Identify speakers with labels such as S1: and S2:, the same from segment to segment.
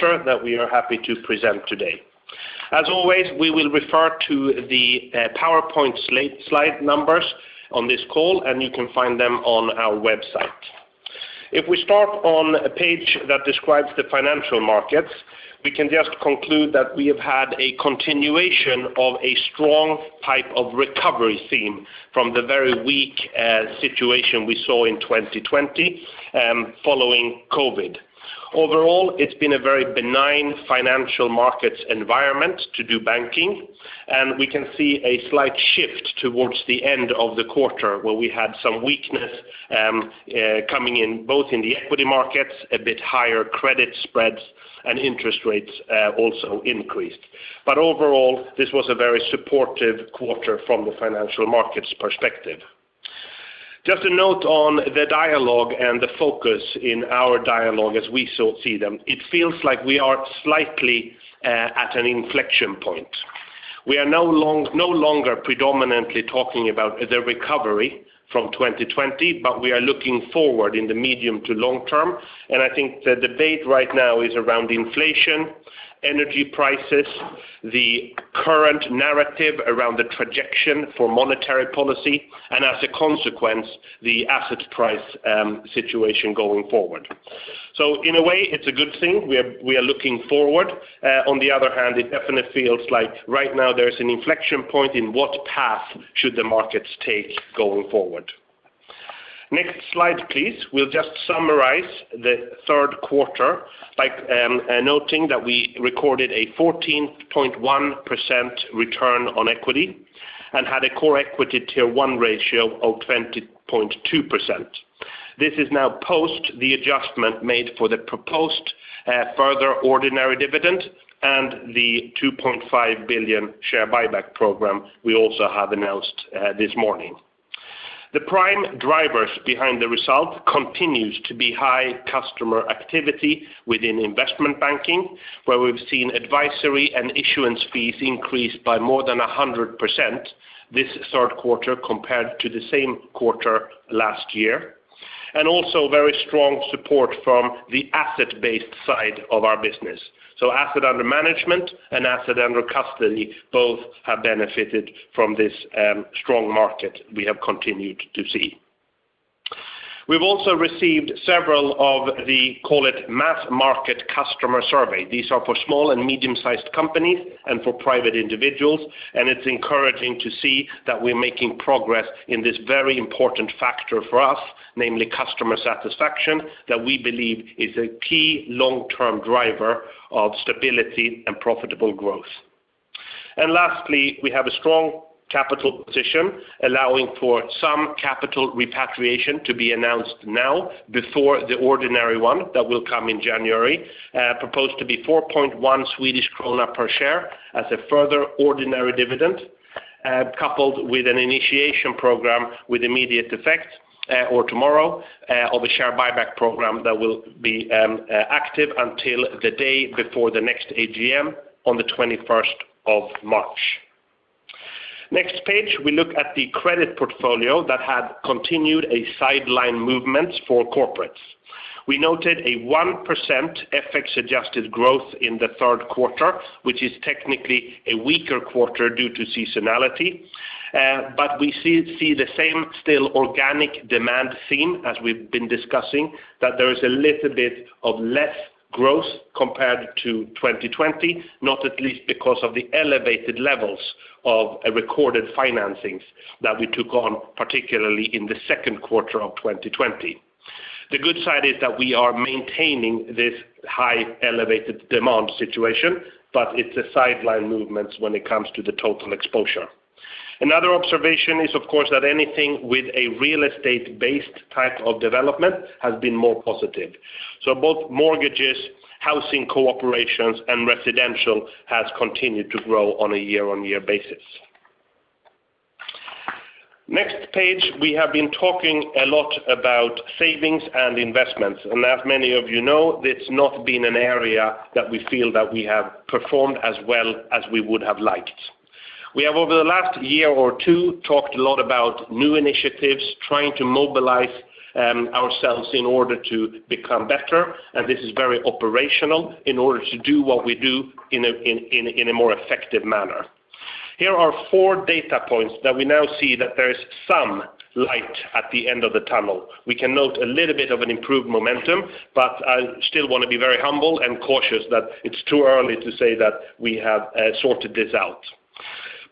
S1: ... We are happy to present today. As always, we will refer to the PowerPoint slide numbers on this call, and you can find them on our website. If we start on a page that describes the financial markets, we can just conclude that we have had a continuation of a strong type of recovery theme from the very weak situation we saw in 2020 following COVID. Overall, it's been a very benign financial markets environment to do banking, and we can see a slight shift towards the end of the quarter where we had some weakness coming in, both in the equity markets, a bit higher credit spreads, and interest rates also increased. Overall, this was a very supportive quarter from the financial markets perspective. Just a note on the dialogue and the focus in our dialogue as we see them. It feels like we are slightly at an inflection point. We are no longer predominantly talking about the recovery from 2020, but we are looking forward in the medium to long-term. I think the debate right now is around inflation, energy prices, the current narrative around the trajectory for monetary policy, and as a consequence, the asset price situation going forward. In a way, it's a good thing. We are looking forward. On the other hand, it definitely feels like right now there's an inflection point in what path should the markets take going forward. Next slide, please. We'll just summarize the third quarter by noting that we recorded a 14.1% return on equity and had a Common Equity Tier 1 ratio of 20.2%. This is now post the adjustment made for the proposed further ordinary dividend and the 2.5 billion share buyback program we also have announced this morning. The prime drivers behind the result continues to be high customer activity within investment banking, where we've seen advisory and issuance fees increase by more than 100% this third quarter compared to the same quarter last year, and also very strong support from the asset-based side of our business. Asset under management and asset under custody both have benefited from this strong market we have continued to see. We've also received several of the call it mass market customer survey. These are for small and medium-sized companies and for private individuals, and it's encouraging to see that we're making progress in this very important factor for us, namely customer satisfaction, that we believe is a key long-term driver of stability and profitable growth. Lastly, we have a strong capital position allowing for some capital repatriation to be announced now before the ordinary one that will come in January, proposed to be 4.1 Swedish krona per share as a further ordinary dividend, coupled with an initiation program with immediate effect or tomorrow of a share buyback program that will be active until the day before the next AGM on the 21st of March. Next page, we look at the credit portfolio that had continued a sideline movement for corporates. We noted a 1% FX-adjusted growth in the third quarter, which is technically a weaker quarter due to seasonality. We see the same still organic demand theme as we've been discussing, that there is a little bit of less growth compared to 2020, not at least because of the elevated levels of recorded financings that we took on, particularly in the second quarter of 2020. The good side is that we are maintaining this high elevated demand situation, but it's a sideline movement when it comes to the total exposure. Another observation is, of course, that anything with a real estate-based type of development has been more positive. Both mortgages, housing corporations, and residential has continued to grow on a year-on-year basis. Next page, we have been talking a lot about savings and investments, and as many of you know, it's not been an area that we feel that we have performed as well as we would have liked. We have, over the last year or two, talked a lot about new initiatives, trying to mobilize ourselves in order to become better, and this is very operational in order to do what we do in a more effective manner. Here are four data points that we now see that there is some light at the end of the tunnel. We can note a little bit of an improved momentum, but I still want to be very humble and cautious that it's too early to say that we have sorted this out.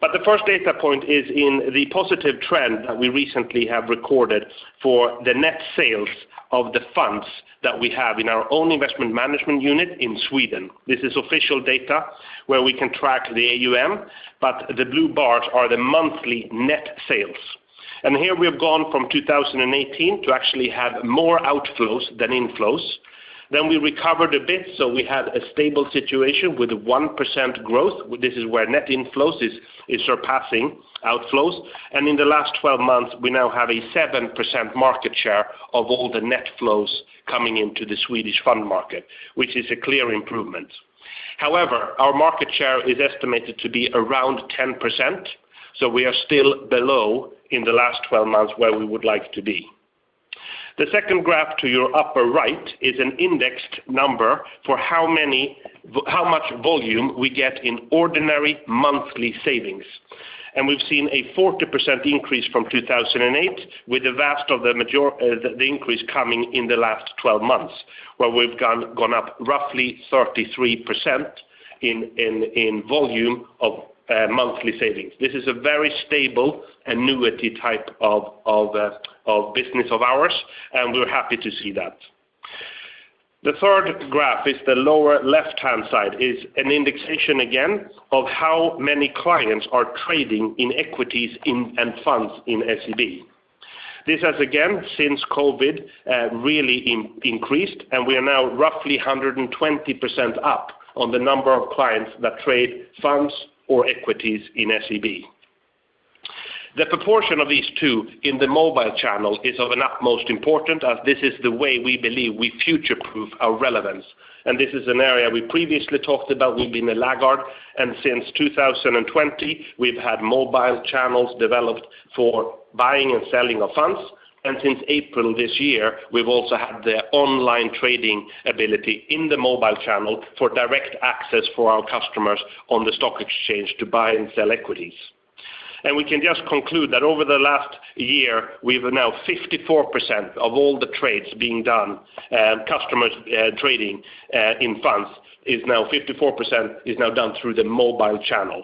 S1: The first data point is in the positive trend that we recently have recorded for the net sales of the funds that we have in our own investment management unit in Sweden. This is official data where we can track the AUM, but the blue bars are the monthly net sales. Here we have gone from 2018 to actually have more outflows than inflows. We recovered a bit, so we had a stable situation with 1% growth. This is where net inflows is surpassing outflows. In the last 12 months, we now have a 7% market share of all the net flows coming into the Swedish fund market, which is a clear improvement. However, our market share is estimated to be around 10%, so we are still below in the last 12 months where we would like to be. The second graph to your upper right is an indexed number for how much volume we get in ordinary monthly savings. We've seen a 40% increase from 2008, with the vast of the increase coming in the last 12 months, where we've gone up roughly 33% in volume of monthly savings. This is a very stable annuity type of business of ours, and we're happy to see that. The third graph is the lower left-hand side is an indication again, of how many clients are trading in equities and funds in SEB. This has again, since COVID, really increased, and we are now roughly 120% up on the number of clients that trade funds or equities in SEB. The proportion of these two in the mobile channel is of an utmost importance, as this is the way we believe we future-proof our relevance. This is an area we previously talked about. We've been a laggard, and since 2020, we've had mobile channels developed for buying and selling of funds. Since April this year, we've also had the online trading ability in the mobile channel for direct access for our customers on the stock exchange to buy and sell equities. We can just conclude that over the last year, we have now 54% of all the trades being done, customers trading in funds is now 54% done through the mobile channel.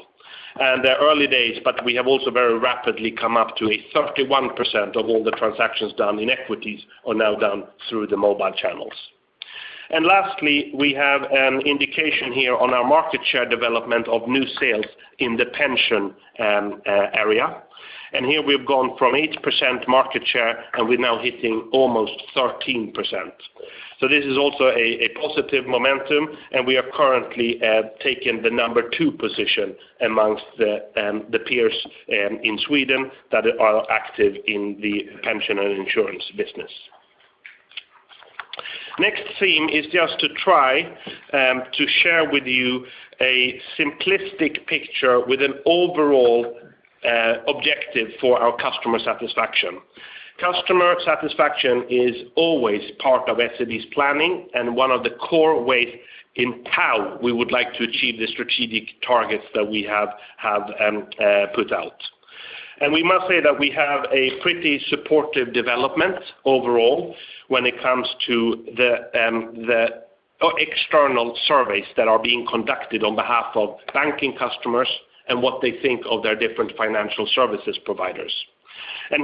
S1: They are early days, but we have also very rapidly come up to a 31% of all the transactions done in equities are now done through the mobile channels. Lastly, we have an indication here on our market share development of new sales in the pension area. Here we have gone from 8% market share and we are now hitting almost 13%. This is also a positive momentum, and we have currently taken the number two position amongst the peers in Sweden that are active in the pension and insurance business. Next theme is just to try to share with you a simplistic picture with an overall objective for our customer satisfaction. Customer satisfaction is always part of SEB's planning and one of the core ways in how we would like to achieve the strategic targets that we have put out. We must say that we have a pretty supportive development overall when it comes to the external surveys that are being conducted on behalf of banking customers and what they think of their different financial services providers.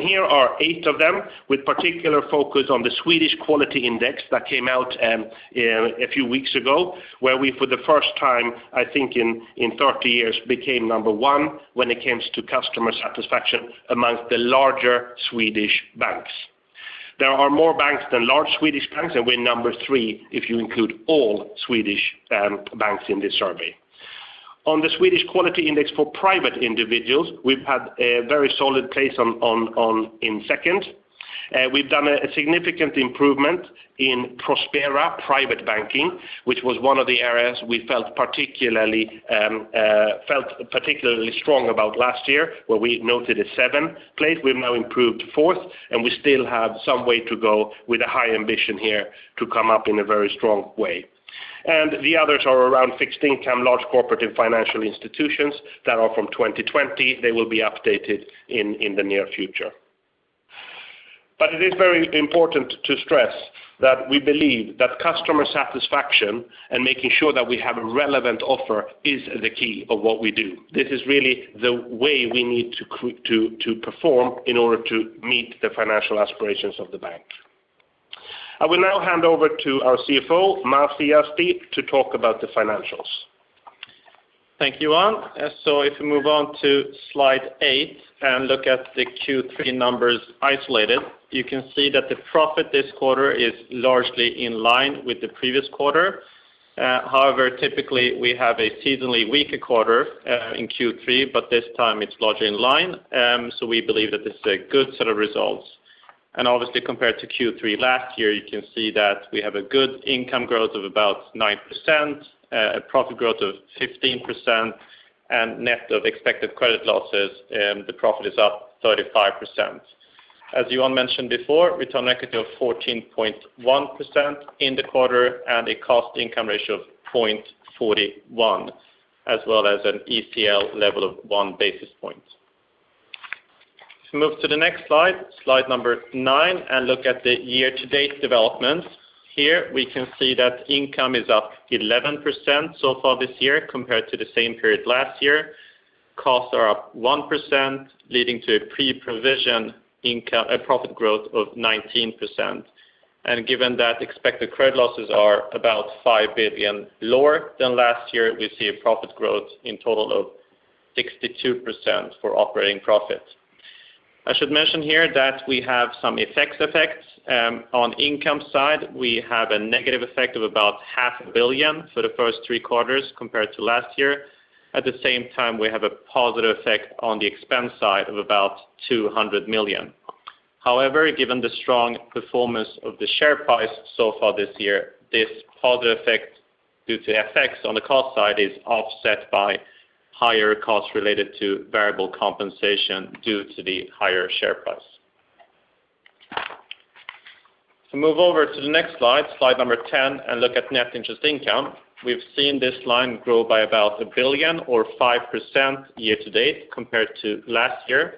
S1: Here are eight of them with particular focus on the Swedish Quality Index that came out a few weeks ago, where we, for the first time, I think in 30 years, became number one when it comes to customer satisfaction amongst the larger Swedish banks. There are more banks than large Swedish banks, and we're number three if you include all Swedish banks in this survey. On the Swedish Quality Index for private individuals, we've had a very solid place in second. We've done a significant improvement in Prospera Private Banking, which was one of the areas we felt particularly strong about last year, where we noted a seventh place. We've now improved to fourth, we still have some way to go with a high ambition here to come up in a very strong way. The others are around fixed income, large corporate and financial institutions that are from 2020. They will be updated in the near future. It is very important to stress that we believe that customer satisfaction and making sure that we have a relevant offer is the key of what we do. This is really the way we need to perform in order to meet the financial aspirations of the bank. I will now hand over to our CFO, Masih Yazdi, to talk about the financials.
S2: Thank you, Johan. If we move on to slide eight and look at the Q3 numbers isolated, you can see that the profit this quarter is largely in line with the previous quarter. However, typically we have a seasonally weaker quarter in Q3, but this time it's largely in line, so we believe that this is a good set of results. Obviously compared to Q3 last year, you can see that we have a good income growth of about 9%, a profit growth of 15%, and net of expected credit losses the profit is up 35%. As Johan mentioned before, return equity of 14.1% in the quarter and a cost-income ratio of 0.41, as well as an ECL level of 1 basis point. If we move to the next slide number nine, and look at the year-to-date developments. Here we can see that income is up 11% so far this year compared to the same period last year. Costs are up 1%, leading to a pre-provision profit growth of 19%. Given that expected credit losses are about 5 billion lower than last year, we see a profit growth in total of 62% for operating profit. I should mention here that we have some FX effects. On income side, we have a negative effect of about 500 million for the first three quarters compared to last year. At the same time, we have a positive effect on the expense side of about 200 million. However, given the strong performance of the share price so far this year, this positive effect due to effects on the cost side is offset by higher costs related to variable compensation due to the higher share price. To move over to the next slide number 10, and look at Net Interest Income. We've seen this line grow by about 1 billion or 5% year-to-date compared to last year.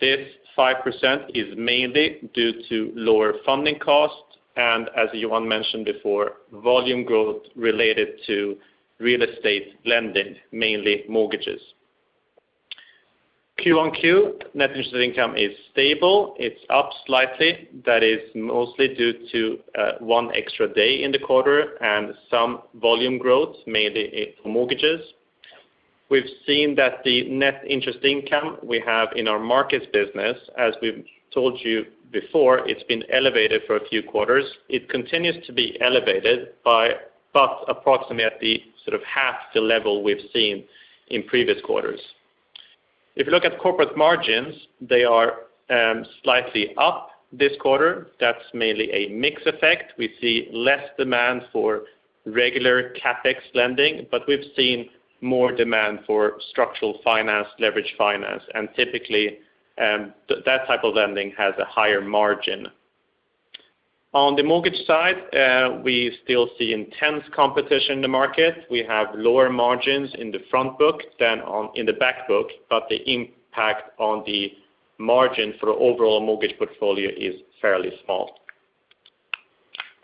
S2: This 5% is mainly due to lower funding costs and, as Johan mentioned before, volume growth related to real estate lending, mainly mortgages. Q-on-Q, Net Interest Income is stable. It's up slightly. That is mostly due to one extra day in the quarter and some volume growth, mainly for mortgages. We've seen that the Net Interest Income we have in our markets business, as we've told you before, it's been elevated for a few quarters. It continues to be elevated by about approximately sort of half the level we've seen in previous quarters. If you look at corporate margins, they are slightly up this quarter. That's mainly a mix effect. We see less demand for regular CapEx lending. We've seen more demand for structured finance, leverage finance, and typically, that type of lending has a higher margin. On the mortgage side, we still see intense competition in the market. We have lower margins in the front book than in the back book. The impact on the margin for the overall mortgage portfolio is fairly small.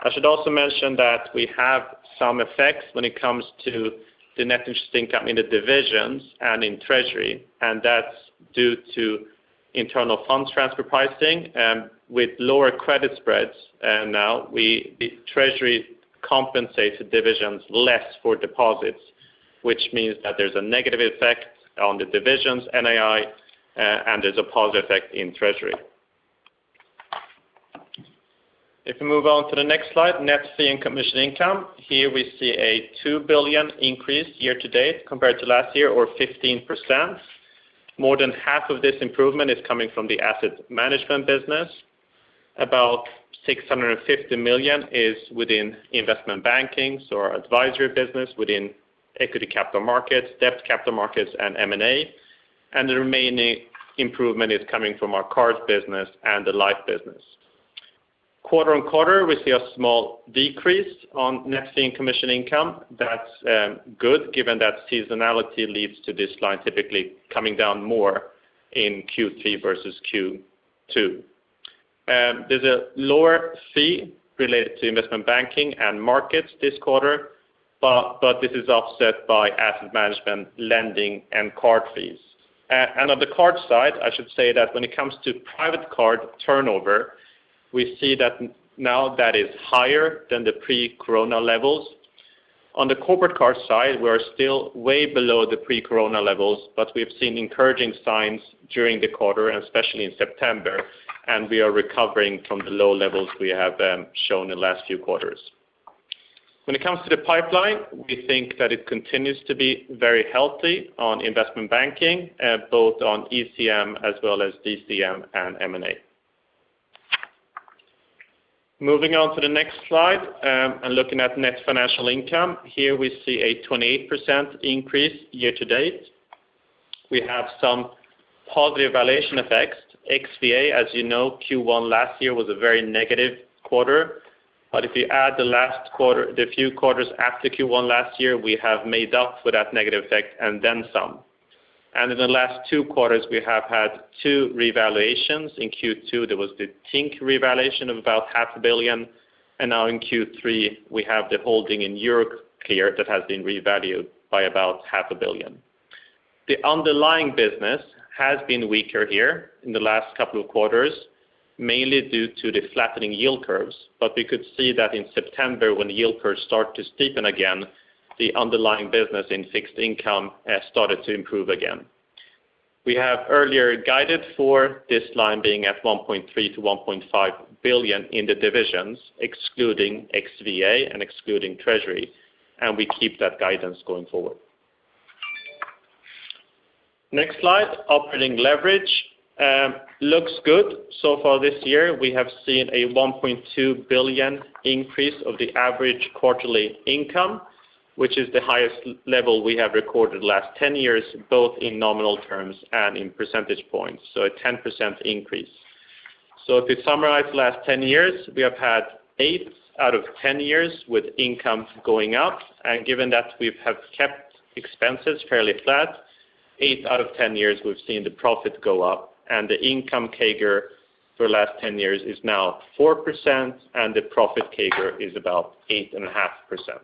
S2: I should also mention that we have some effects when it comes to the Net Interest Income in the divisions and in treasury. That's due to internal funds transfer pricing. With lower credit spreads now, the treasury compensates divisions less for deposits, which means that there's a negative effect on the divisions NII. There's a positive effect in treasury. If we move on to the next slide, net fee and commission income. Here we see a 2 billion increase year-to-date compared to last year, or 15%. More than half of this improvement is coming from the asset management business. About 650 million is within investment banking, so our advisory business within equity capital markets, debt capital markets, and M&A. The remaining improvement is coming from our cards business and the life business. Quarter-on-quarter, we see a small decrease on net fee and commission income. That's good given that seasonality leads to this line typically coming down more in Q3 versus Q2. There's a lower fee related to investment banking and markets this quarter, but this is offset by asset management, lending, and card fees. On the card side, I should say that when it comes to private card turnover, we see that now that is higher than the pre-Corona levels. On the corporate card side, we're still way below the pre-corona levels, we've seen encouraging signs during the quarter and especially in September, we are recovering from the low levels we have shown in the last few quarters. When it comes to the pipeline, we think that it continues to be very healthy on investment banking, both on ECM as well as DCM and M&A. Moving on to the next slide, looking at net financial income. Here we see a 28% increase year-to-date. We have some positive valuation effects, XVA. As you know, Q1 last year was a very negative quarter. If you add the few quarters after Q1 last year, we have made up for that negative effect and then some. In the last two quarters, we have had two revaluations. In Q2, there was the Tink revaluation of about 500 million, and now in Q3, we have the holding in Euroclear that has been revalued by about SEK 500 half a billion SEK. The underlying business has been weaker here in the last couple of quarters, mainly due to the flattening yield curves. We could see that in September when yield curves start to steepen again, the underlying business in fixed income started to improve again. We have earlier guided for this line being at 1.3 billion-1.5 billion in the divisions, excluding XVA and excluding treasury, and we keep that guidance going forward. Next slide, operating leverage. Looks good so far this year. We have seen a 1.2 billion increase of the average quarterly income, which is the highest level we have recorded the last 10 years, both in nominal terms and in percentage points, so a 10% increase. To summarize the last 10 years, we have had 8 out of 10 years with income going up. Given that we have kept expenses fairly flat, 8 out of 10 years we've seen the profit go up and the income CAGR for the last 10 years is now 4%, and the profit CAGR is about 8.5%. If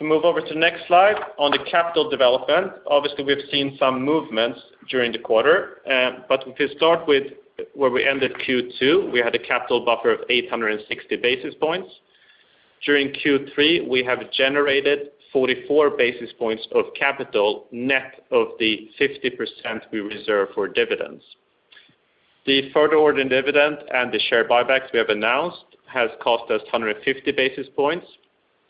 S2: we move over to the next slide on the capital development. Obviously, we've seen some movements during the quarter. If you start with where we ended Q2, we had a capital buffer of 860 basis points. During Q3, we have generated 44 basis points of capital net of the 50% we reserve for dividends. The further ordinary dividend and the share buybacks we have announced has cost us 150 basis points.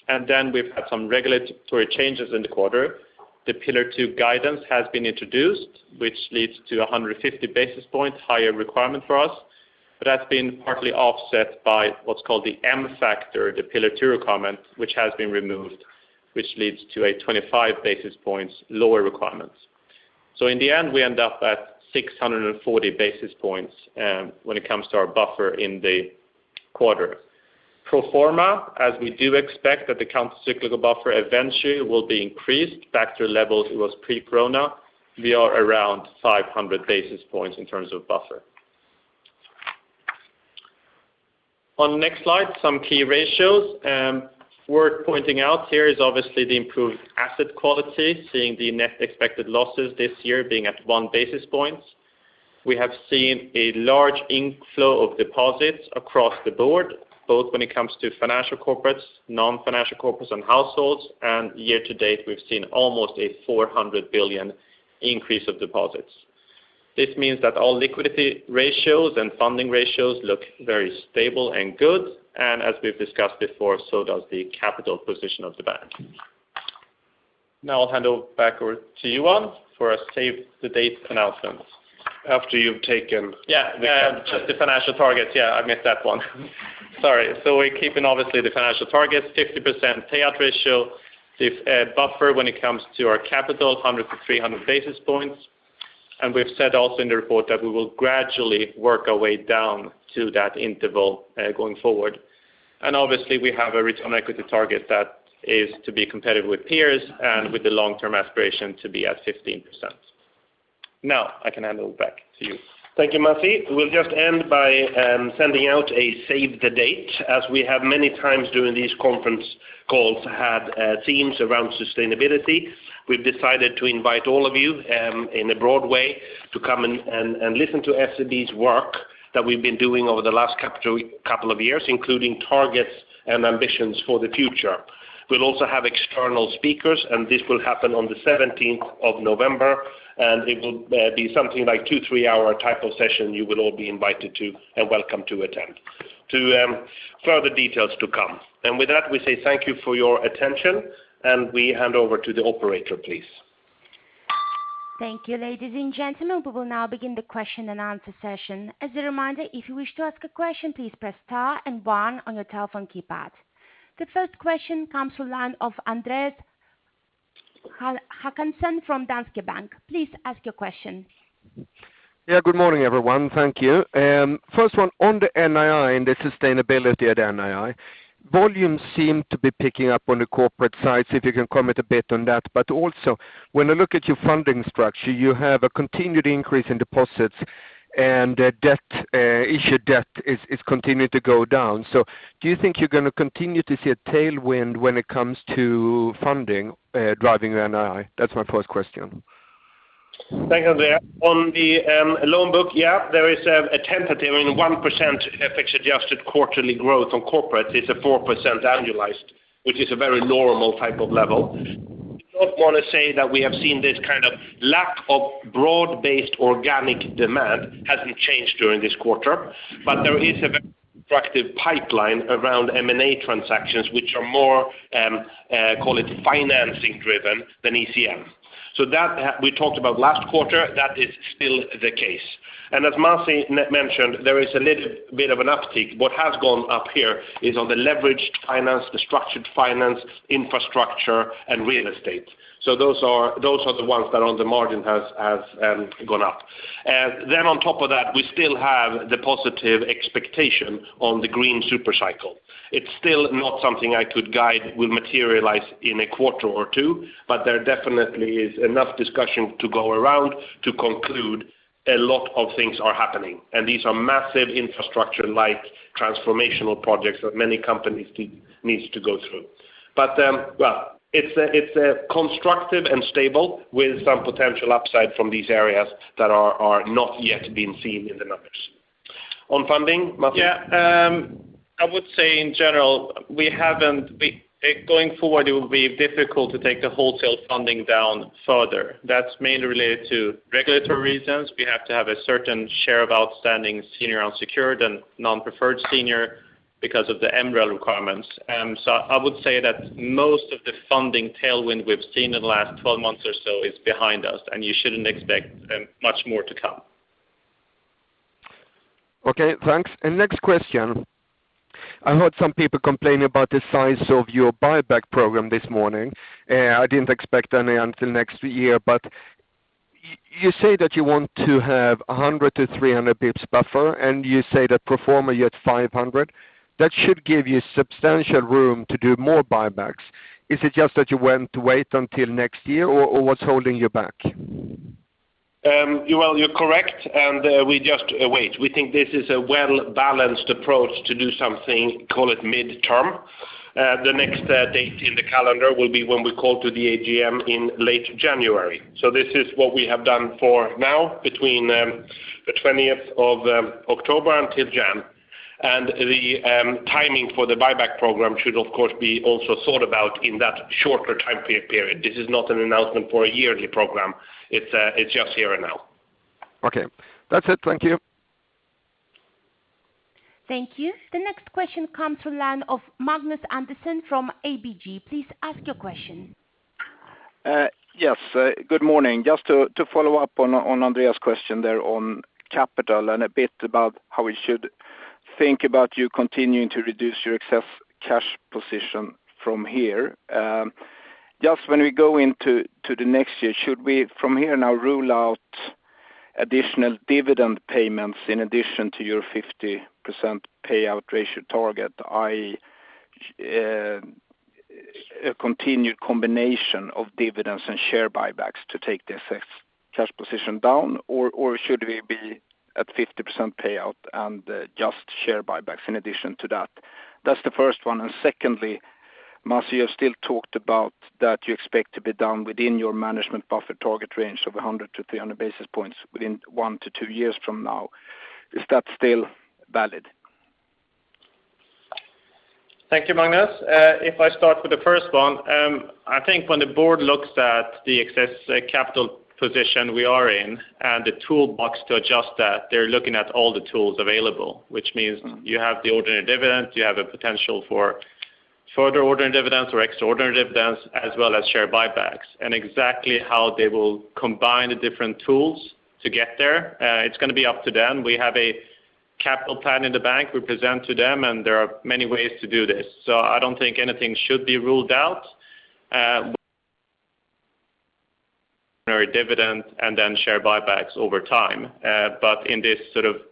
S2: We've had some regulatory changes in the quarter. The Pillar 2 guidance has been introduced, which leads to 150 basis points higher requirement for us, but that's been partly offset by what's called the M factor, the Pillar 2 requirement, which has been removed, which leads to a 25 basis points lower requirements. In the end, we end up at 640 basis points when it comes to our buffer in the quarter. Pro forma, as we do expect that the countercyclical buffer eventually will be increased back to levels it was pre-Corona, we are around 500 basis points in terms of buffer. On next slide, some key ratios. Worth pointing out here is obviously the improved asset quality, seeing the net expected losses this year being at 1 basis point. We have seen a large inflow of deposits across the board, both when it comes to financial corporates, non-financial corporates, and households. Year to date, we've seen almost a 400 billion increase of deposits. This means that all liquidity ratios and funding ratios look very stable and good, and as we've discussed before, so does the capital position of the bank. I'll hand over back to you, Johan, for a save the date announcement.
S1: After you've taken the capital-
S2: The financial targets. I missed that one. Sorry. We're keeping, obviously, the financial targets, 50% payout ratio, this buffer when it comes to our capital, 100 to 300 basis points. We've said also in the report that we will gradually work our way down to that interval going forward. Obviously we have a return equity target that is to be competitive with peers and with the long-term aspiration to be at 15%. Now, I can hand over back to you.
S1: Thank you, Masih. We'll just end by sending out a save the date. As we have many times during these conference calls had themes around sustainability, we've decided to invite all of you in a broad way to come and listen to SEB's work that we've been doing over the last couple of years, including targets and ambitions for the future. We'll also have external speakers, and this will happen on the 17th of November, and it will be something like two, three-hour type of session you will all be invited to and welcome to attend. Further details to come. With that, we say thank you for your attention, and we hand over to the operator, please.
S3: Thank you, ladies and gentlemen. We will now begin the question-and-answer session. As a reminder, if you wish to ask a question, please press star and one on your telephone keypad. The first question comes from line of Andreas Håkansson from Danske Bank. Please ask your question.
S4: Good morning, everyone. Thank you. First one, on the NII and the sustainability at NII, volumes seem to be picking up on the corporate side. If you can comment a bit on that. Also, when I look at your funding structure, you have a continued increase in deposits and issued debt is continuing to go down. Do you think you're going to continue to see a tailwind when it comes to funding, driving NII? That's my first question.
S1: Thanks, Andreas. On the loan book, there is a tentative, I mean, 1% FX-adjusted quarterly growth on corporate, it's a 4% annualized, which is a very normal type of level. Do not want to say that we have seen this kind of lack of broad-based organic demand hasn't changed during this quarter. There is a very constructive pipeline around M&A transactions, which are more, call it financing driven than ECM. That we talked about last quarter, that is still the case. As Masih mentioned, there is a little bit of an uptick. What has gone up here is on the leveraged finance, the structured finance, infrastructure, and real estate. Those are the ones that on the margin has gone up. On top of that, we still have the positive expectation on the green supercycle. It's still not something I could guide will materialize in a quarter or two, but there definitely is enough discussion to go around to conclude a lot of things are happening. These are massive infrastructure-like transformational projects that many companies needs to go through. It's constructive and stable with some potential upside from these areas that are not yet being seen in the numbers. On funding, Masih?
S2: I would say in general, going forward, it will be difficult to take the wholesale funding down further. That's mainly related to regulatory reasons. We have to have a certain share of outstanding senior unsecured and non-preferred senior because of the MREL requirements. I would say that most of the funding tailwind we've seen in the last 12 months or so is behind us, and you shouldn't expect much more to come.
S4: Okay, thanks. Next question. I heard some people complain about the size of your buyback program this morning. I didn't expect any until next year, but you say that you want to have 100 to 300 basis points buffer, and you say that pro forma you had 500 basis points. That should give you substantial room to do more buybacks. Is it just that you want to wait until next year, or what's holding you back?
S1: You're correct, and we just wait. We think this is a well-balanced approach to do something, call it mid-term. The next date in the calendar will be when we call to the AGM in late January. This is what we have done for now between the 20th of October until January. The timing for the buyback program should of course be also thought about in that shorter time period. This is not an announcement for a yearly program. It is just here and now.
S4: Okay. That's it. Thank you.
S3: Thank you. The next question comes to line of Magnus Andersson from ABG. Please ask your question.
S5: Yes. Good morning. Just to follow up on Andreas' question there on capital and a bit about how we should think about you continuing to reduce your excess cash position from here. Just when we go into the next year, should we from here now rule out additional dividend payments in addition to your 50% payout ratio target? A continued combination of dividends and share buybacks to take the excess cash position down, or should we be at 50% payout and just share buybacks in addition to that? That's the first one. Secondly, Masih, you still talked about that you expect to be down within your management buffer target range of 100 to 300 basis points within one to two years from now. Is that still valid?
S2: Thank you, Magnus. If I start with the first one, I think when the board looks at the excess capital position we are in and the toolbox to adjust that, they're looking at all the tools available, which means you have the ordinary dividend, you have a potential for further ordinary dividends or extraordinary dividends, as well as share buybacks. Exactly how they will combine the different tools to get there it's going to be up to them. We have a capital plan in the bank we present to them, and there are many ways to do this. I don't think anything should be ruled out ordinary dividend and then share buybacks over time. In this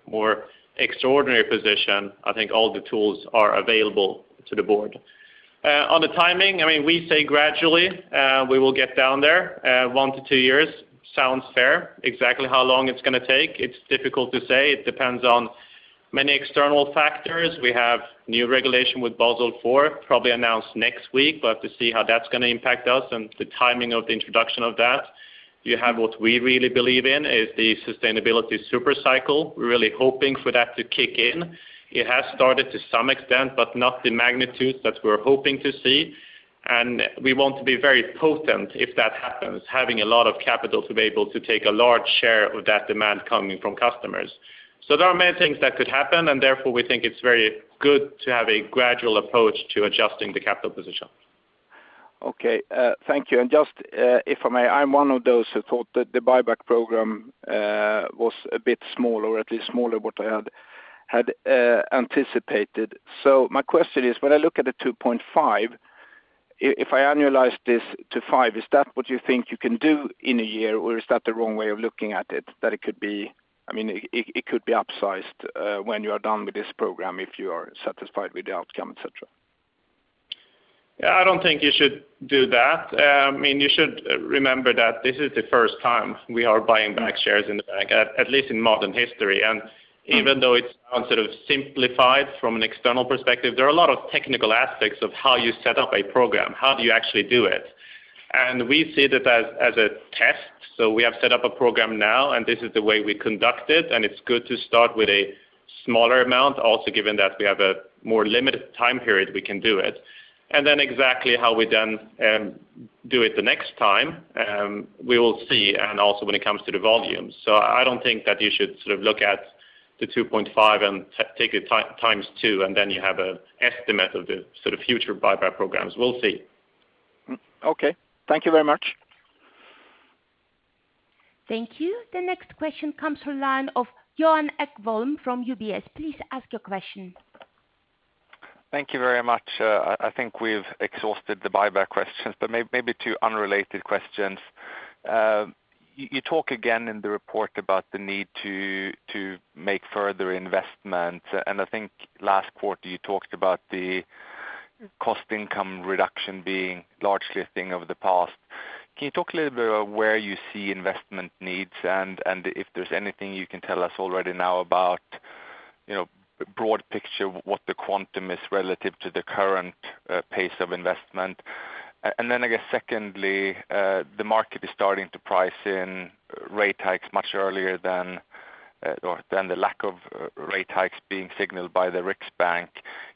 S2: more extraordinary position, I think all the tools are available to the board. On the timing, we say gradually we will get down there one to two years. Sounds fair. Exactly how long it's going to take, it's difficult to say. It depends on many external factors. We have new regulation with Basel IV, probably announced next week. We'll have to see how that's going to impact us and the timing of the introduction of that. What we really believe in is the sustainability supercycle. We're really hoping for that to kick in. It has started to some extent, but not the magnitude that we're hoping to see. We want to be very potent if that happens, having a lot of capital to be able to take a large share of that demand coming from customers. There are many things that could happen, and therefore we think it's very good to have a gradual approach to adjusting the capital position.
S5: Okay. Thank you. Just if I may, I'm one of those who thought that the buyback program was a bit small or at least smaller what I had anticipated. My question is, when I look at the 2.5 billion, if I annualize this to 5 billion, is that what you think you can do in a year or is that the wrong way of looking at it? That it could be upsized when you are done with this program if you are satisfied with the outcome, et cetera.
S1: I don't think you should do that. You should remember that this is the first time we are buying back shares in the bank, at least in modern history. Even though it sounds simplified from an external perspective, there are a lot of technical aspects of how you set up a program. How do you actually do it? We see it as a test. We have set up a program now, this is the way we conduct it, and it's good to start with a smaller amount. Also given that we have a more limited time period we can do it. Exactly how we then do it the next time we will see, and also when it comes to the volumes. I don't think that you should look at the 2.5 billion and take it times 2, and then you have an estimate of the future buyback programs. We'll see.
S5: Okay. Thank you very much.
S3: Thank you. The next question comes from line of Johan Ekblom from UBS. Please ask your question.
S6: Thank you very much. I think we've exhausted the buyback questions, but maybe two unrelated questions. You talk again in the report about the need to make further investment, and I think last quarter you talked about the cost income reduction being largely a thing of the past. Can you talk a little bit about where you see investment needs and if there's anything you can tell us already now about broad picture, what the quantum is relative to the current pace of investment? I guess secondly, the market is starting to price in rate hikes much earlier than the lack of rate hikes being signaled by the Riksbank.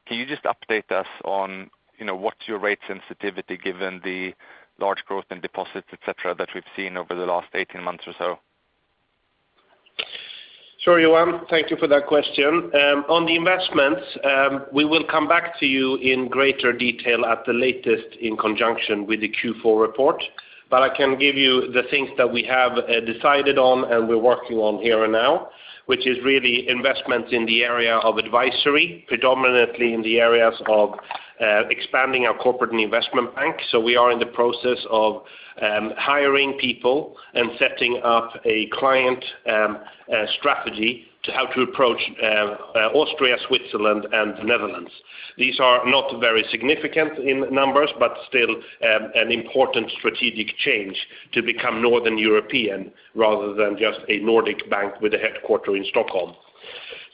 S6: Can you just update us on what's your rate sensitivity given the large growth in deposits, et cetera, that we've seen over the last 18 months or so?
S1: Sure, Johan. Thank you for that question. On the investments we will come back to you in greater detail at the latest in conjunction with the Q4 report. I can give you the things that we have decided on and we're working on here and now, which is really investments in the area of advisory, predominantly in the areas of expanding our corporate and investment bank. We are in the process of hiring people and setting up a client strategy to how to approach Austria, Switzerland, and the Netherlands. These are not very significant in numbers, but still an important strategic change to become Northern European rather than just a Nordic bank with a headquarters in Stockholm.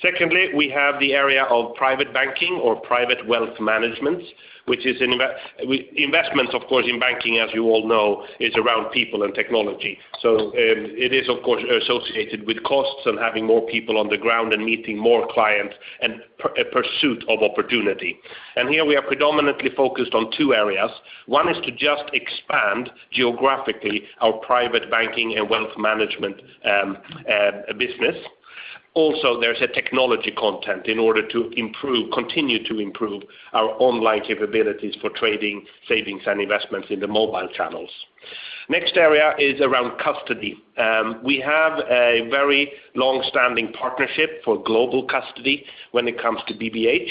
S1: Secondly, we have the area of private banking or private wealth management, which investments, of course, in banking, as you all know, is around people and technology. It is associated with costs and having more people on the ground and meeting more clients and pursuit of opportunity. Here we are predominantly focused on two areas. One is to just expand geographically our private banking and wealth management business. Also, there's a technology content in order to continue to improve our online capabilities for trading, savings, and investments in the mobile channels. Next area is around custody. We have a very long-standing partnership for global custody when it comes to BBH.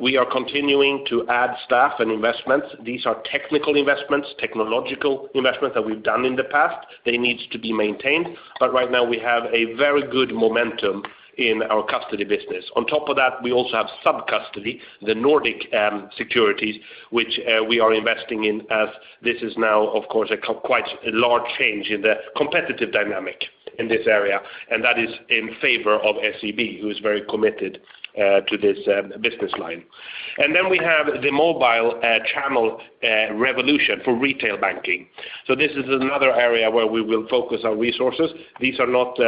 S1: We are continuing to add staff and investments. These are technical investments, technological investments that we've done in the past. They need to be maintained, but right now we have a very good momentum in our custody business. On top of that, we also have sub-custody, the Nordic Securities, which we are investing in as this is now of course a quite large change in the competitive dynamic in this area. That is in favor of SEB, who is very committed to this business line. Then we have the mobile channel revolution for retail banking. This is another area where we will focus our resources. These are not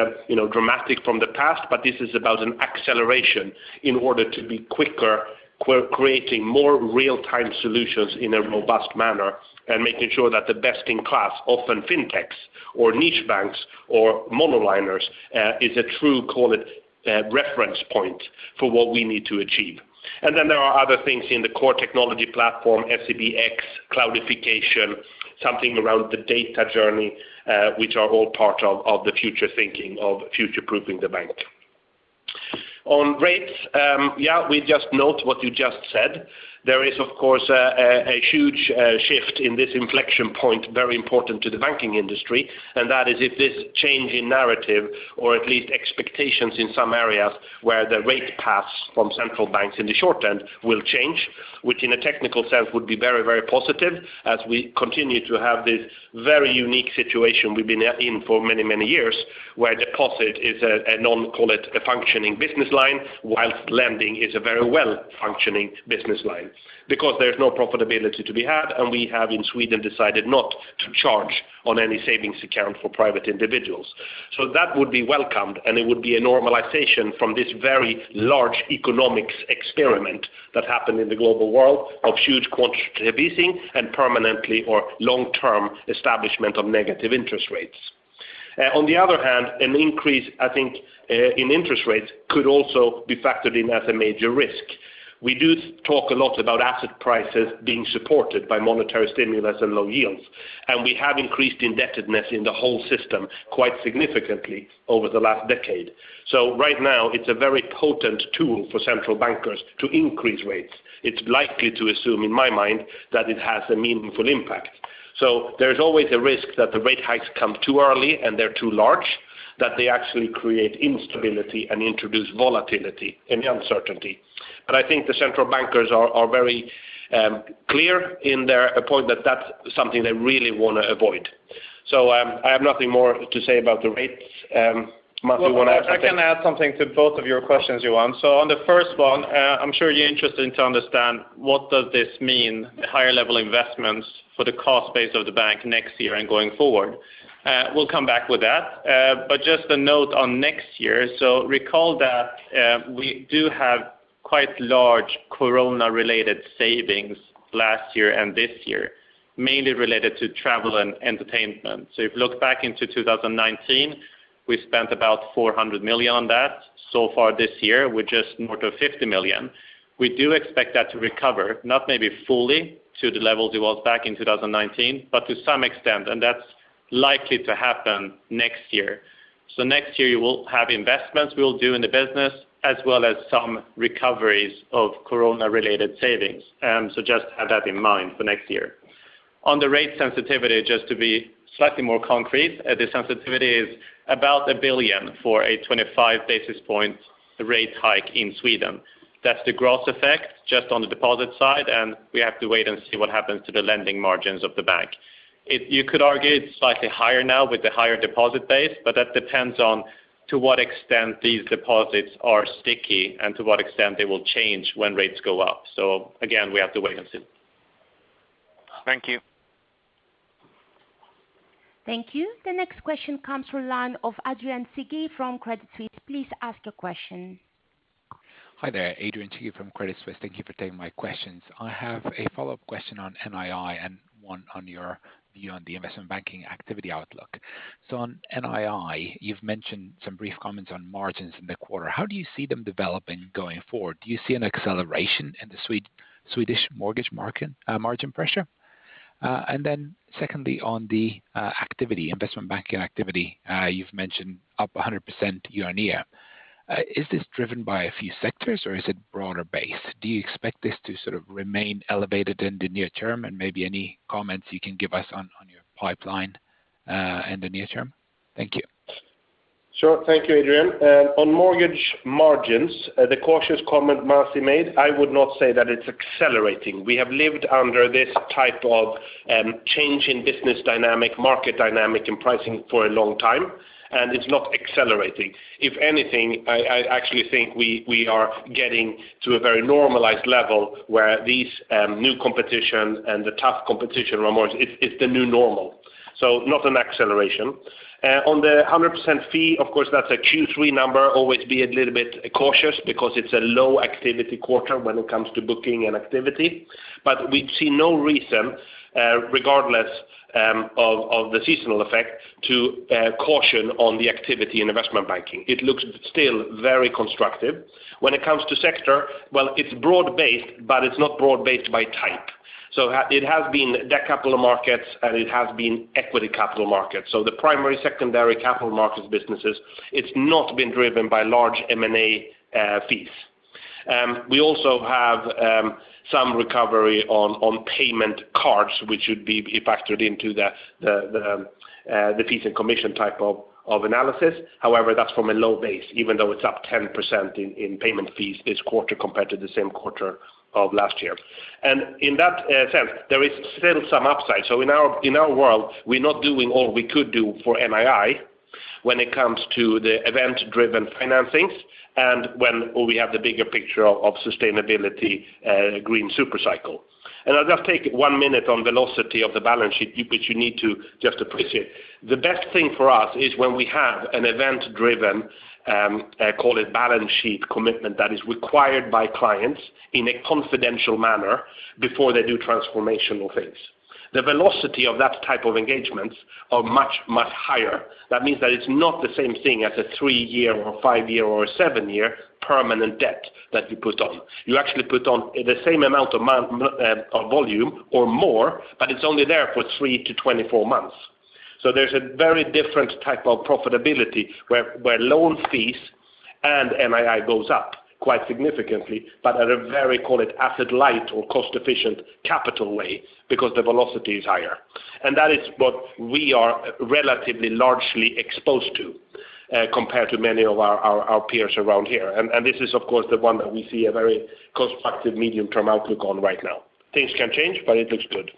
S1: dramatic from the past, but this is about an acceleration in order to be quicker, creating more real-time solutions in a robust manner, and making sure that the best-in-class, often fintechs or niche banks or monoliners is a true reference point for what we need to achieve. Then there are other things in the core technology platform, SEBx cloudification, something around the data journey, which are all part of the future thinking of future-proofing the bank. On rates, we just note what you just said. There is, of course, a huge shift in this inflection point, very important to the banking industry, and that is if this change in narrative or at least expectations in some areas where the rate paths from central banks in the short end will change. Which in a technical sense would be very, very positive as we continue to have this very unique situation we've been in for many years where deposit is a non-call it a functioning business line, whilst lending is a very well-functioning business line because there's no profitability to be had. We have, in Sweden, decided not to charge on any savings account for private individuals. That would be welcomed, and it would be a normalization from this very large economics experiment that happened in the global world of huge quantitative easing and permanently or long-term establishment of negative interest rates. On the other hand, an increase in interest rates could also be factored in as a major risk. We do talk a lot about asset prices being supported by monetary stimulus and low yields, and we have increased indebtedness in the whole system quite significantly over the last decade. Right now it's a very potent tool for central bankers to increase rates. It's likely to assume in my mind that it has a meaningful impact. There's always a risk that the rate hikes come too early and they're too large, that they actually create instability and introduce volatility and uncertainty. I think the central bankers are very clear in their point that that is something they really want to avoid. I have nothing more to say about the rates. Masih, you want to add something?
S2: I can add something to both of your questions, Johan. On the first one, I'm sure you're interested to understand what does this mean, the higher-level investments for the cost base of the bank next year and going forward. We'll come back with that. Just a note on next year. Recall that we do have quite large Corona-related savings last year and this year, mainly related to travel and entertainment. If you look back into 2019, we spent about 400 million on that. So far this year, we're just north of 50 million. We do expect that to recover, not maybe fully to the levels it was back in 2019, but to some extent, and that's likely to happen next year. Next year you will have investments we'll do in the business as well as some recoveries of Corona-related savings. Just have that in mind for next year. On the rate sensitivity, just to be slightly more concrete the sensitivity is about 1 billion for a 25 basis point rate hike in Sweden. That's the gross effect just on the deposit side, and we have to wait and see what happens to the lending margins of the bank. You could argue it's slightly higher now with the higher deposit base, but that depends on to what extent these deposits are sticky and to what extent they will change when rates go up. Again, we have to wait and see.
S6: Thank you.
S3: Thank you. The next question comes from line of Adrian Cighi from Credit Suisse. Please ask your question.
S7: Hi there, Adrian Cighi from Credit Suisse. Thank you for taking my questions. I have a follow-up question on NII and one on your view on the investment banking activity outlook. On NII, you've mentioned some brief comments on margins in the quarter. How do you see them developing going forward? Do you see an acceleration in the Swedish mortgage margin pressure? Secondly, on the investment banking activity, you've mentioned up 100% year-over-year. Is this driven by a few sectors or is it broader-based? Do you expect this to sort of remain elevated in the near term and maybe any comments you can give us on your pipeline in the near term? Thank you.
S1: Sure. Thank you, Adrian. On mortgage margins, the cautious comment Masih made, I would not say that it's accelerating. We have lived under this type of change in business dynamic, market dynamic, and pricing for a long time, and it's not accelerating. If anything, I actually think we are getting to a very normalized level where these new competition and the tough competition more so, it's the new normal. Not an acceleration. On the 100% fee, of course, that's a Q3 number. Always be a little bit cautious because it's a low activity quarter when it comes to booking and activity. We see no reason, regardless of the seasonal effect, to caution on the activity in investment banking. It looks still very constructive. When it comes to sector, well, it's broad-based, but it's not broad-based by type. It has been debt capital markets and it has been equity capital markets. The primary secondary capital markets businesses, it's not been driven by large M&A fees. We also have some recovery on payment cards, which would be factored into the fees and commission type of analysis. However, that's from a low base, even though it's up 10% in payment fees this quarter compared to the same quarter of last year. In that sense, there is still some upside. In our world, we're not doing all we could do for NII when it comes to the event-driven financings and when we have the bigger picture of sustainability green supercycle. I'll just take one minute on velocity of the balance sheet, which you need to just appreciate. The best thing for us is when we have an event-driven, call it balance sheet commitment that is required by clients in a confidential manner before they do transformational things. The velocity of that type of engagements are much, much higher. That means that it's not the same thing as a three-year or a five-year or a seven-year permanent debt that you put on. You actually put on the same amount of volume or more, but it's only there for 3 to 24 months. There's a very different type of profitability where loan fees and NII goes up quite significantly, but at a very, call it asset-light or cost-efficient capital way because the velocity is higher. That is what we are relatively largely exposed to compared to many of our peers around here. This is of course the one that we see a very constructive medium-term outlook on right now. Things can change, but it looks good.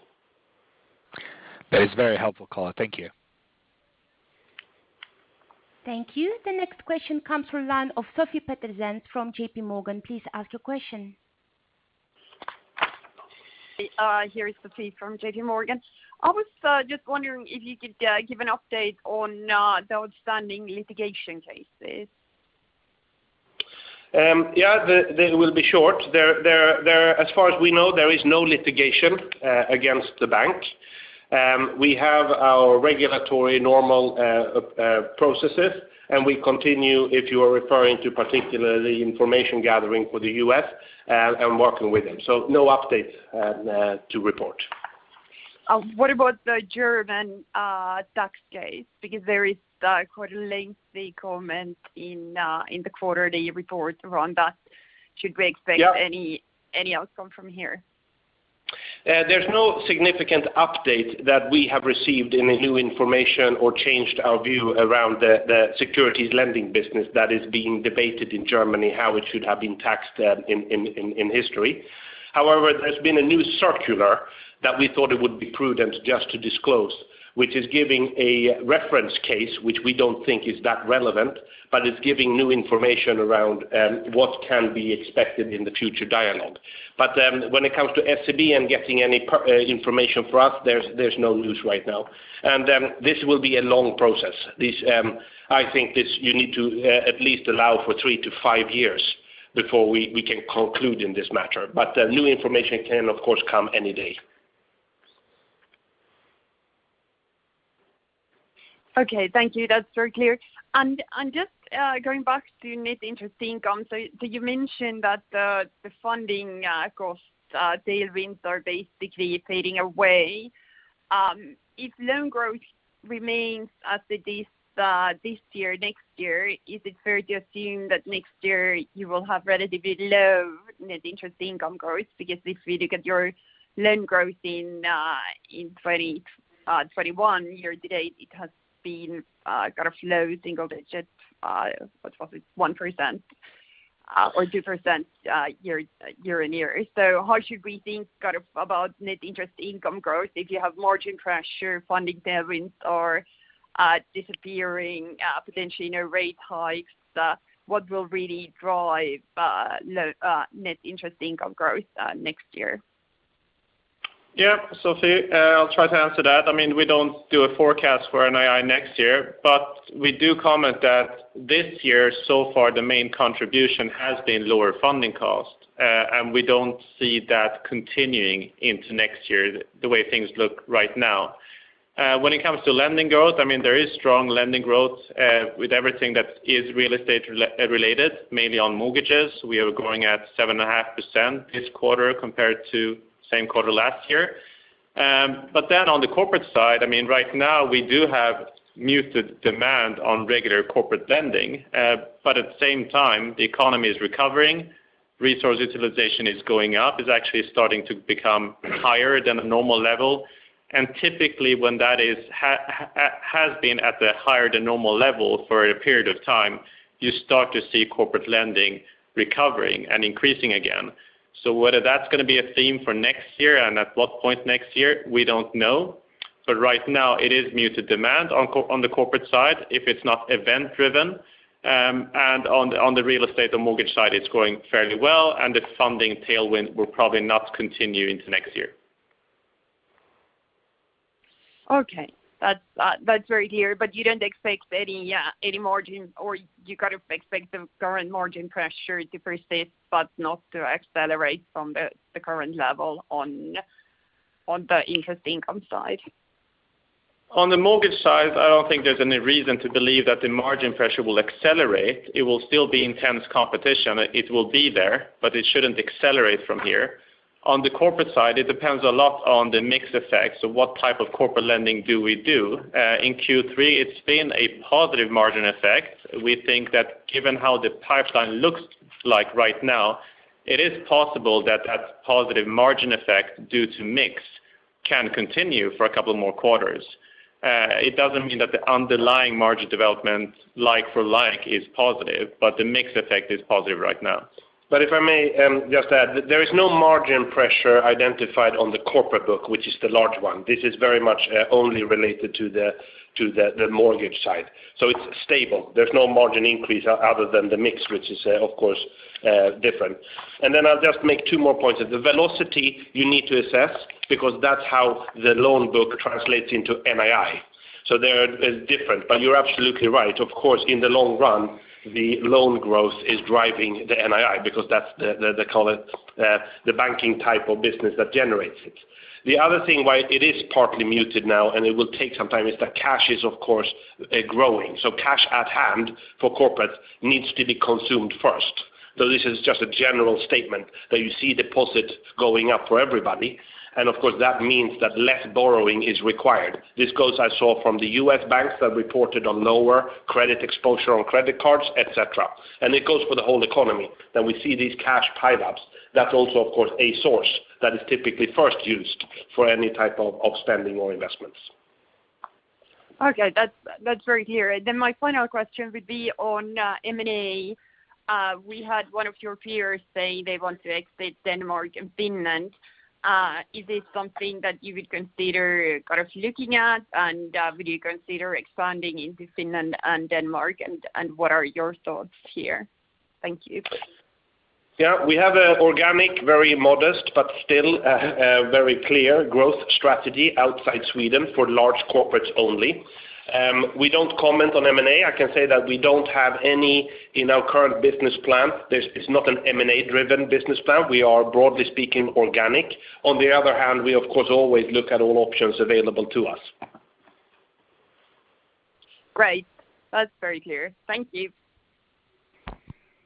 S7: That is very helpful, Johan. Thank you.
S3: Thank you. The next question comes from line of Sofie Peterzens from JPMorgan. Please ask your question.
S8: Here is Sofie from JPMorgan. I was just wondering if you could give an update on the outstanding litigation cases.
S1: They will be short. As far as we know, there is no litigation against the bank. We have our regulatory normal processes, and we continue, if you are referring to particularly information gathering for the U.S., and working with them. No updates to report.
S8: What about the German tax case? There is quite a lengthy comment in the quarterly report around that. Should we expect any outcome from here?
S1: There's no significant update that we have received any new information or changed our view around the securities lending business that is being debated in Germany, how it should have been taxed in history. There's been a new circular that we thought it would be prudent just to disclose, which is giving a reference case, which we don't think is that relevant, but it's giving new information around what can be expected in the future dialogue. When it comes to SEB and getting any information for us, there's no news right now. This will be a long process. I think this you need to at least allow for three to five years before we can conclude in this matter. New information can, of course, come any day.
S8: Okay. Thank you. That is very clear. Just going back to Net Interest Income. You mentioned that the funding cost tailwinds are basically fading away. If loan growth remains as it is this year, next year, is it fair to assume that next year you will have relatively low Net Interest Income growth? If we look at your loan growth in 2021 year-to-date, it has been kind of low single-digits, what was it, 1% or 2% year-on-year. How should we think about Net Interest Income growth if you have margin pressure, funding tailwinds are disappearing, potentially no rate hikes? What will really drive Net Interest Income growth next year?
S1: Sofie, I'll try to answer that. We don't do a forecast for NII next year. We do comment that this year, so far the main contribution has been lower funding cost. We don't see that continuing into next year the way things look right now. When it comes to lending growth, there is strong lending growth with everything that is real estate-related, mainly on mortgages. We are growing at 7.5% this quarter compared to same quarter last year. On the corporate side, right now we do have muted demand on regular corporate lending. At the same time, the economy is recovering. Resource utilization is going up. It's actually starting to become higher than a normal level. Typically, when that has been at the higher than normal level for a period of time, you start to see corporate lending recovering and increasing again. Whether that's going to be a theme for next year and at what point next year, we don't know. Right now it is muted demand on the corporate side if it's not event-driven, and on the real estate and mortgage side, it's going fairly well, and the funding tailwind will probably not continue into next year.
S8: Okay. That's very clear. You don't expect any margin, or you expect the current margin pressure to persist, but not to accelerate from the current level on the interest income side?
S1: On the mortgage side, I don't think there's any reason to believe that the margin pressure will accelerate. It will still be intense competition. It will be there, but it shouldn't accelerate from here. On the corporate side, it depends a lot on the mix effect. What type of corporate lending do we do? In Q3, it's been a positive margin effect. We think that given how the pipeline looks like right now, it is possible that that positive margin effect, due to mix, can continue for a couple more quarters. It doesn't mean that the underlying margin development like-for-like is positive, but the mix effect is positive right now. If I may just add, there is no margin pressure identified on the corporate book, which is the large one. This is very much only related to the mortgage side. It's stable. There's no margin increase other than the mix, which is, of course, different. Then I'll just make two more points. The velocity you need to assess because that's how the loan book translates into NII. They're different. You're absolutely right. Of course, in the long run, the loan growth is driving the NII because that's the banking type of business that generates it. The other thing why it is partly muted now and it will take some time is that cash is, of course, growing. Cash at hand for corporate needs to be consumed first. This is just a general statement that you see deposits going up for everybody, and of course, that means that less borrowing is required. This goes, I saw from the U.S. banks that reported on lower credit exposure on credit cards, et cetera. It goes for the whole economy that we see these cash pile-ups. That's also, of course, a source that is typically first used for any type of spending or investments.
S8: Okay. That's very clear. My final question would be on M&A. We had one of your peers say they want to exit Denmark and Finland. Is this something that you would consider looking at? Would you consider expanding into Finland and Denmark? What are your thoughts here? Thank you.
S1: We have an organic, very modest, but still very clear growth strategy outside Sweden for large corporates only. We don't comment on M&A. I can say that we don't have any in our current business plan. It's not an M&A-driven business plan. We are, broadly speaking, organic. On the other hand, we of course always look at all options available to us.
S8: Great. That is very clear. Thank you.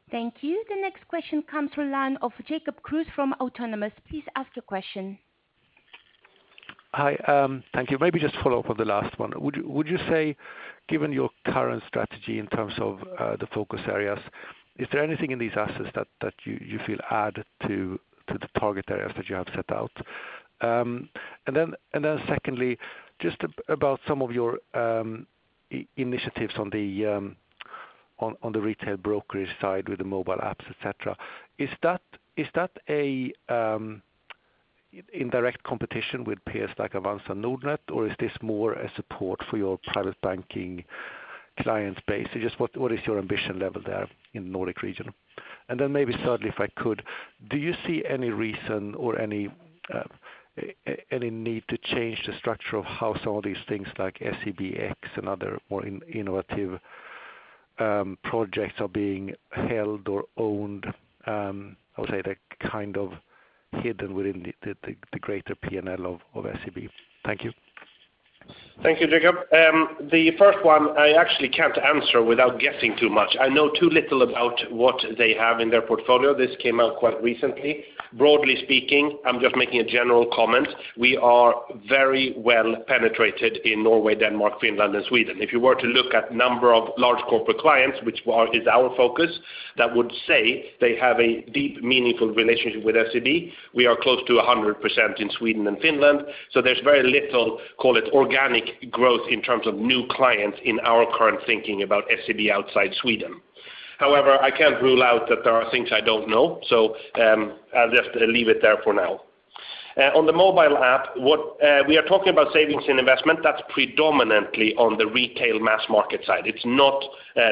S3: Thank you. The next question comes from line of Jacob Kruse from Autonomous. Please ask your question.
S9: Hi. Thank you. Maybe just follow up on the last one. Would you say, given your current strategy in terms of the focus areas, is there anything in these assets that you feel add to the target areas that you have set out? Secondly, just about some of your initiatives on the retail brokerage side with the mobile apps, et cetera. Is that in direct competition with peers like Avanza and Nordnet, or is this more a support for your private banking client base? Just what is your ambition level there in the Nordic region? Thirdly, if I could, do you see any reason or any need to change the structure of how some of these things like SEBx and other more innovative projects are being held or owned? I would say they're kind of hidden within the greater P&L of SEB. Thank you.
S1: Thank you, Jacob. The first one I actually can't answer without guessing too much. I know too little about what they have in their portfolio. This came out quite recently. Broadly speaking, I'm just making a general comment. We are very well penetrated in Norway, Denmark, Finland, and Sweden. If you were to look at number of large corporate clients, which is our focus, that would say they have a deep, meaningful relationship with SEB. We are close to 100% in Sweden and Finland, so there's very little, call it organic growth in terms of new clients in our current thinking about SEB outside Sweden. However, I can't rule out that there are things I don't know, so I'll just leave it there for now. On the mobile app, we are talking about savings and investment. That's predominantly on the retail mass market side. It's not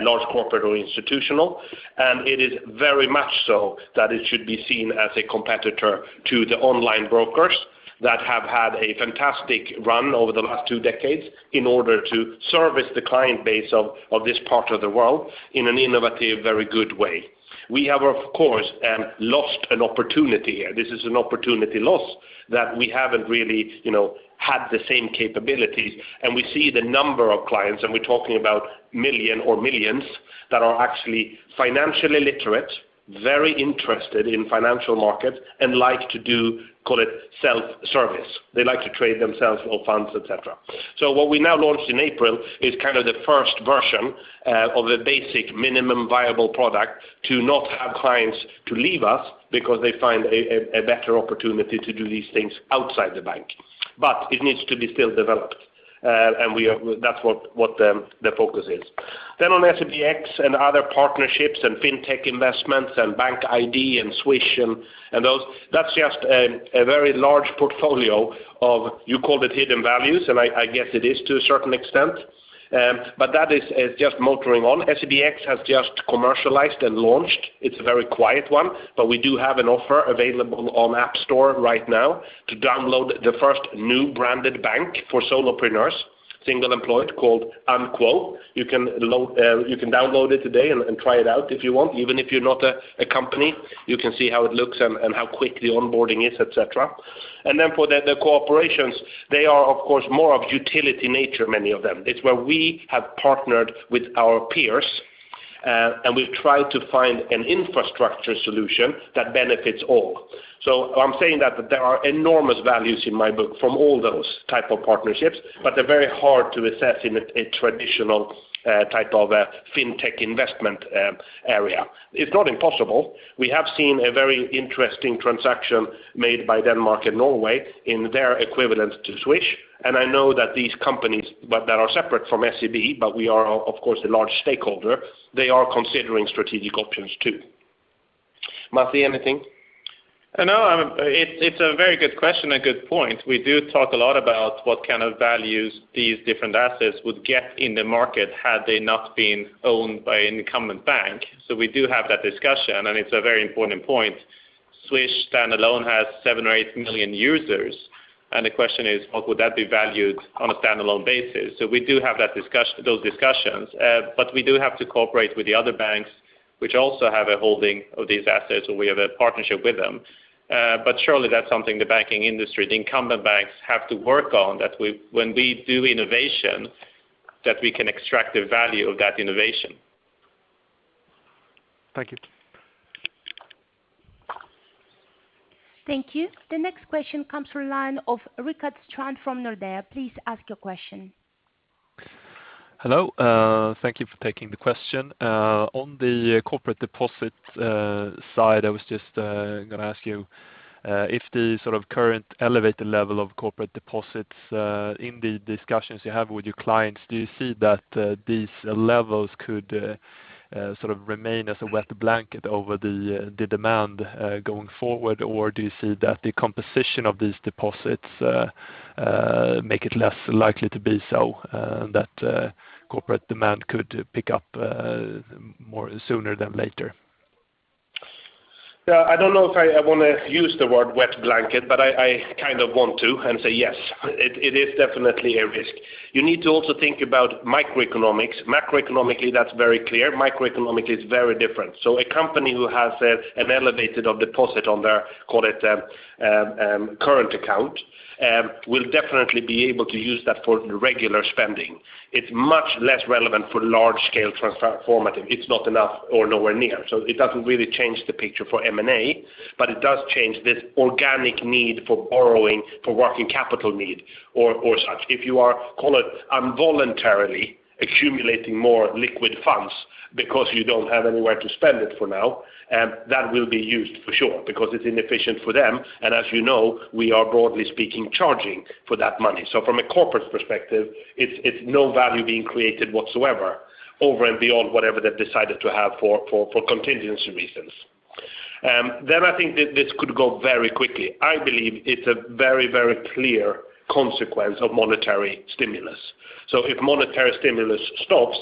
S1: large corporate or institutional, and it is very much so that it should be seen as a competitor to the online brokers that have had a fantastic run over the last two decades in order to service the client base of this part of the world in an innovative, very good way. We have, of course, lost an opportunity here. This is an opportunity loss that we haven't really had the same capabilities, and we see the number of clients, and we're talking about million or millions, that are actually financially literate, very interested in financial markets, and like to do, call it self-service. They like to trade themselves for funds, et cetera. What we now launched in April is the first version of the basic minimum viable product to not have clients to leave us because they find a better opportunity to do these things outside the bank. But, it needs to be still developed. That's what the focus is. On SEBx and other partnerships and fintech investments and BankID and Swish and those, that's just a very large portfolio of, you called it hidden values, and I guess it is to a certain extent. That is just motoring on. SEBx has just commercialized and launched. It's a very quiet one, but we do have an offer available on App Store right now to download the first new branded bank for solopreneurs, single employed, called UNQUO. You can download it today and try it out if you want. Even if you're not a company, you can see how it looks and how quick the onboarding is, et cetera. For the cooperations, they are, of course, more of utility nature, many of them. It's where we have partnered with our peers, and we've tried to find an infrastructure solution that benefits all. I'm saying that there are enormous values in my book from all those type of partnerships, but they're very hard to assess in a traditional type of fintech investment area. It's not impossible. We have seen a very interesting transaction made by Denmark and Norway in their equivalent to Swish, and I know that these companies that are separate from SEB, but we are, of course, a large stakeholder. They are considering strategic options, too. Masih, anything?
S2: No. It's a very good question and good point. We do talk a lot about what kind of values these different assets would get in the market had they not been owned by incumbent bank. We do have that discussion, and it's a very important point. Swish standalone has 7 or 8 million users, and the question is, what would that be valued on a standalone basis? We do have those discussions, but we do have to cooperate with the other banks, which also have a holding of these assets, and we have a partnership with them. Surely that's something the banking industry, the incumbent banks have to work on, that when we do innovation, that we can extract the value of that innovation.
S9: Thank you.
S3: Thank you. The next question comes from line of Rickard Strand from Nordea. Please ask your question.
S10: Hello. Thank you for taking the question. On the corporate deposit side, I was just going to ask you if the current elevated level of corporate deposits in the discussions you have with your clients, do you see that these levels could remain as a wet blanket over the demand going forward? Do you see that the composition of these deposits make it less likely to be so, that corporate demand could pick up sooner than later?
S1: I don't know if I want to use the word wet blanket, but I kind of want to and say yes, it is definitely a risk. You need to also think about microeconomics. Macroeconomically, that's very clear. Microeconomics is very different. A company who has an elevated deposit on their, call it current account, will definitely be able to use that for regular spending. It's much less relevant for large scale transformative. It's not enough or nowhere near. It doesn't really change the picture for M&A, but it does change this organic need for borrowing, for working capital need or such. If you are, call it involuntarily accumulating more liquid funds because you don't have anywhere to spend it for now, that will be used for sure because it's inefficient for them. As you know, we are, broadly speaking, charging for that money. From a corporate perspective, it's no value being created whatsoever over and beyond whatever they've decided to have for contingency reasons. I think this could go very quickly. I believe it's a very clear consequence of monetary stimulus. If monetary stimulus stops,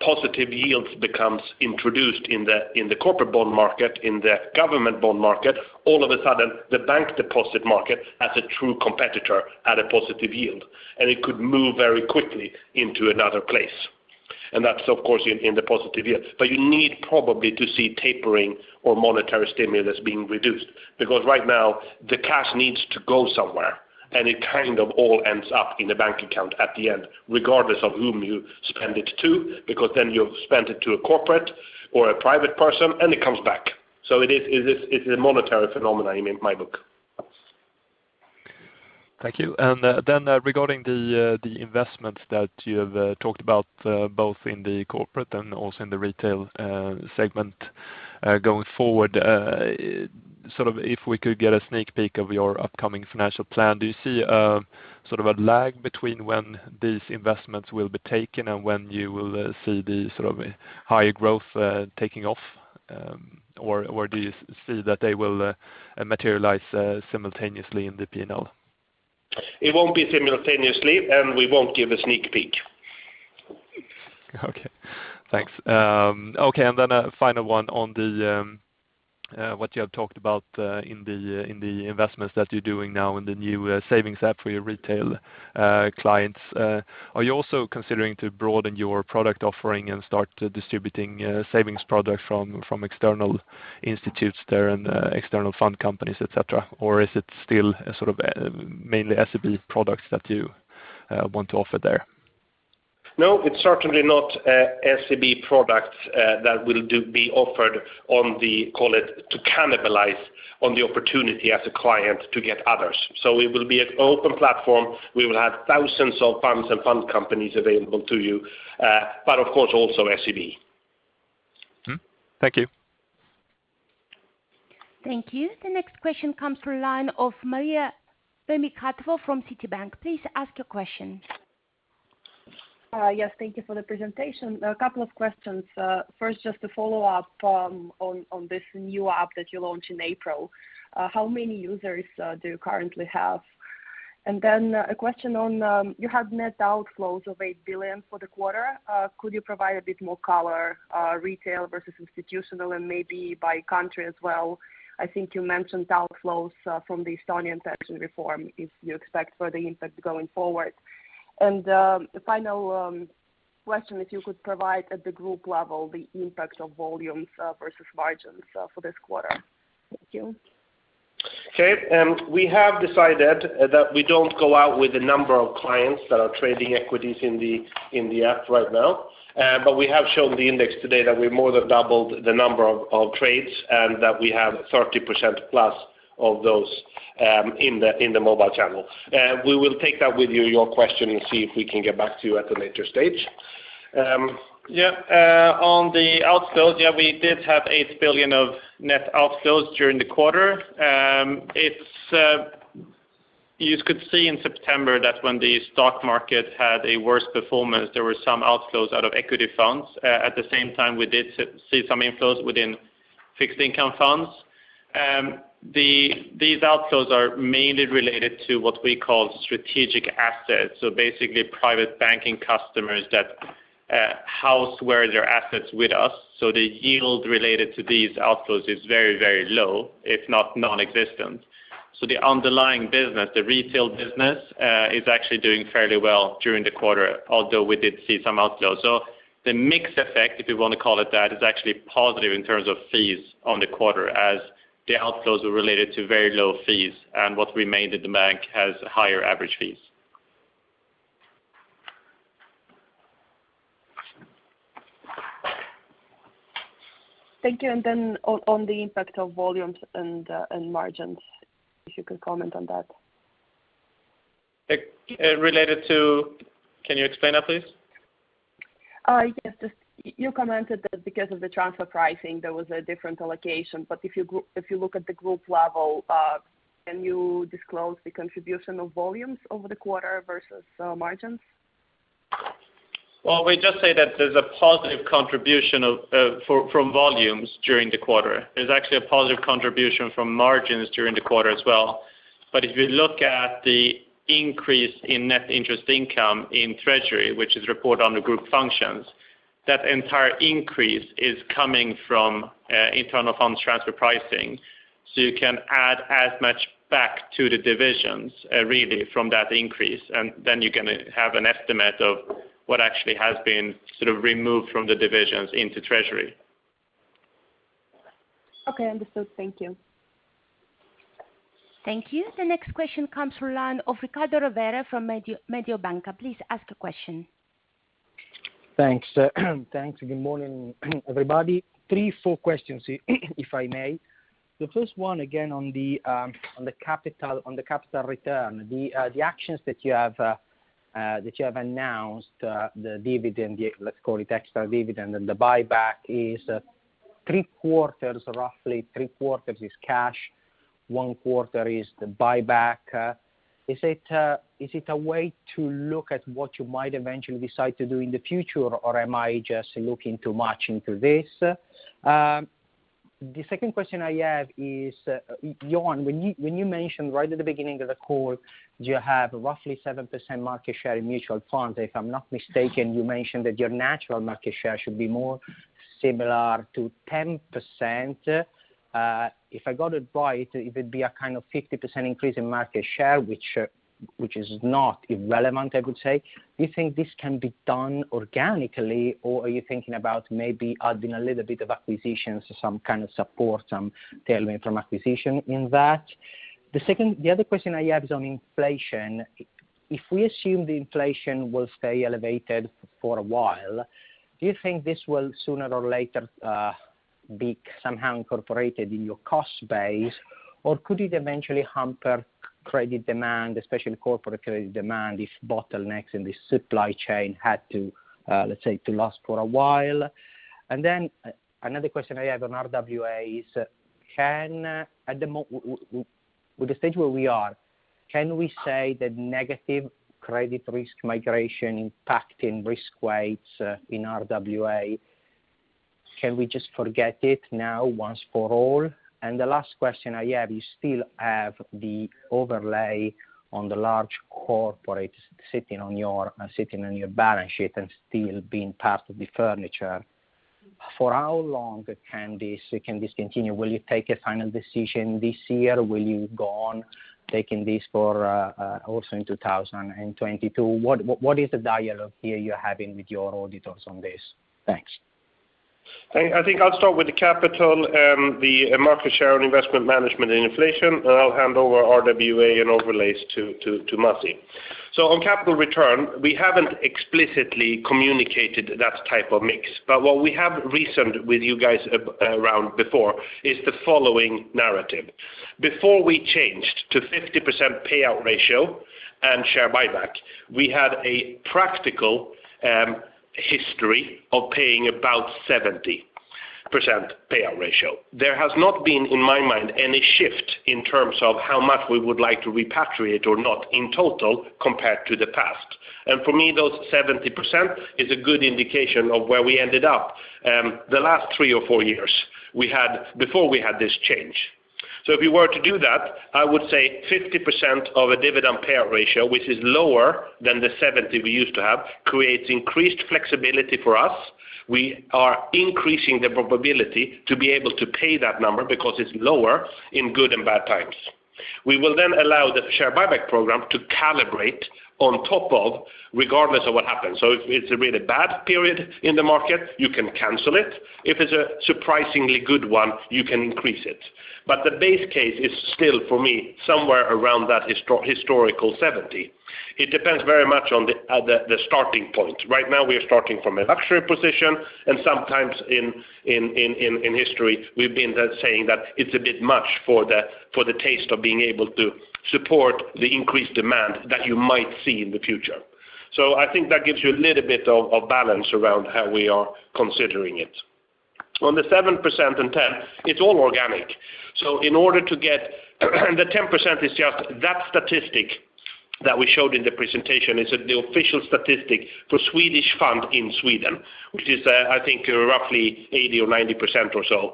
S1: positive yields becomes introduced in the corporate bond market, in the government bond market. All of a sudden, the bank deposit market has a true competitor at a positive yield, and it could move very quickly into another place. That's, of course, in the positive yield. You need probably to see tapering or monetary stimulus being reduced, because right now the cash needs to go somewhere, and it kind of all ends up in the bank account at the end, regardless of whom you spend it to, because then you've spent it to a corporate or a private person and it comes back. It's a monetary phenomenon in my book.
S10: Thank you. Regarding the investments that you have talked about, both in the corporate and also in the retail segment going forward, if we could get a sneak peek of your upcoming financial plan. Do you see a lag between when these investments will be taken and when you will see the higher growth taking off? Do you see that they will materialize simultaneously in the P&L?
S1: It won't be simultaneously, and we won't give a sneak peek.
S10: Okay, thanks. A final one on what you have talked about in the investments that you're doing now in the new savings app for your retail clients. Are you also considering to broaden your product offering and start distributing savings product from external institutes there and external fund companies, et cetera? Is it still mainly SEB products that you want to offer there?
S1: No, it's certainly not SEB products that will be offered on the, call it, to cannibalize on the opportunity as a client to get others. It will be an open platform. We will have thousands of funds and fund companies available to you. Of course also SEB.
S10: Thank you.
S3: Thank you. The next question comes from line of Maria Semikhatova from Citibank. Please ask your question.
S11: Yes, thank you for the presentation. A couple of questions. First, just a follow-up on this new app that you launched in April. How many users do you currently have? A question on, you have net outflows of 8 billion for the quarter. Could you provide a bit more color, retail versus institutional, and maybe by country as well? I think you mentioned outflows from the Estonian tax reform, if you expect further impact going forward. The final question, if you could provide at the group level the impact of volumes versus margins for this quarter. Thank you.
S1: Okay. We have decided that we don't go out with the number of clients that are trading equities in the app right now. We have shown the index today that we more than doubled the number of trades and that we have 30%+ of those in the mobile channel. We will take that with you, your question, and see if we can get back to you at a later stage. On the outflows, we did have 8 billion of net outflows during the quarter. You could see in September that when the stock market had a worse performance, there were some outflows out of equity funds. At the same time, we did see some inflows within fixed income funds. These outflows are mainly related to what we call strategic assets, so basically private banking customers that house their assets with us. The yield related to these outflows is very, very low, if not non-existent. The underlying business, the retail business, is actually doing fairly well during the quarter, although we did see some outflows. The mix effect, if you want to call it that, is actually positive in terms of fees on the quarter as the outflows were related to very low fees, and what remained in the bank has higher average fees.
S11: Thank you. On the impact of volumes and margins, if you could comment on that.
S1: Related to... Can you explain that, please?
S11: Yes. You commented that because of the transfer pricing, there was a different allocation. If you look at the group level, can you disclose the contribution of volumes over the quarter versus margins?
S1: Well, we just say that there's a positive contribution from volumes during the quarter. There's actually a positive contribution from margins during the quarter as well. If you look at the increase in Net Interest Income in treasury, which is reported under group functions, that entire increase is coming from internal funds transfer pricing. You can add as much back to the divisions really from that increase, and then you can have an estimate of what actually has been sort of removed from the divisions into treasury.
S11: Okay, understood. Thank you.
S3: Thank you. The next question comes from line of Riccardo Rovere from Mediobanca. Please ask a question.
S12: Thanks. Good morning everybody. Three, four questions, if I may. The first one, again, on the capital return. The actions that you have announced, the dividend, let's call it extra dividend, and the buyback is 3/4, roughly 3/4 is cash, 1/4 is the buyback. Is it a way to look at what you might eventually decide to do in the future, or am I just looking too much into this? The second question I have is, Johan, when you mentioned right at the beginning of the call you have roughly 7% market share in mutual funds. If I'm not mistaken, you mentioned that your natural market share should be more similar to 10%. If I got it right, it would be a kind of 50% increase in market share, which is not irrelevant, I would say. Do you think this can be done organically, or are you thinking about maybe adding a little bit of acquisitions or some kind of support, some tailwind from acquisition in that? The other question I have is on inflation. If we assume the inflation will stay elevated for a while, do you think this will sooner or later be somehow incorporated in your cost base, or could it eventually hamper credit demand, especially corporate credit demand, if bottlenecks in this supply chain had to, let's say, to last for a while? Another question I have on RWAs. With the stage where we are, can we say that negative credit risk migration impacting risk weights in RWA, can we just forget it now once for all? The last question I have, you still have the overlay on the large corporates sitting on your balance sheet and still being part of the furniture. For how long can this continue? Will you take a final decision this year? Will you go on taking this for also in 2022? What is the dialogue here you're having with your auditors on this? Thanks.
S1: I think I'll start with the capital, the market share on investment management and inflation, and I'll hand over RWA and overlays to Masih. On capital return, we haven't explicitly communicated that type of mix. What we have reasoned with you guys around before is the following narrative. Before we changed to 50% payout ratio and share buyback, we had a practical history of paying about 70% payout ratio. There has not been, in my mind, any shift in terms of how much we would like to repatriate or not in total compared to the past. For me, those 70% is a good indication of where we ended up the last three or four years before we had this change. If we were to do that, I would say 50% of a dividend payout ratio, which is lower than the 70% we used to have, creates increased flexibility for us. We are increasing the probability to be able to pay that number because it's lower in good and bad times. We will then allow the share buyback program to calibrate on top of, regardless of what happens. If it's a really bad period in the market, you can cancel it. If it's a surprisingly good one, you can increase it. The base case is still, for me, somewhere around that historical 70%. It depends very much on the starting point. Right now we are starting from a luxury position, and sometimes in history, we've been saying that it's a bit much for the taste of being able to support the increased demand that you might see in the future. I think that gives you a little bit of balance around how we are considering it. On the 7% and 10%, it's all organic. The 10% is just that statistic that we showed in the presentation. It's the official statistic for Swedish fund in Sweden, which is I think roughly 80% or 90% or so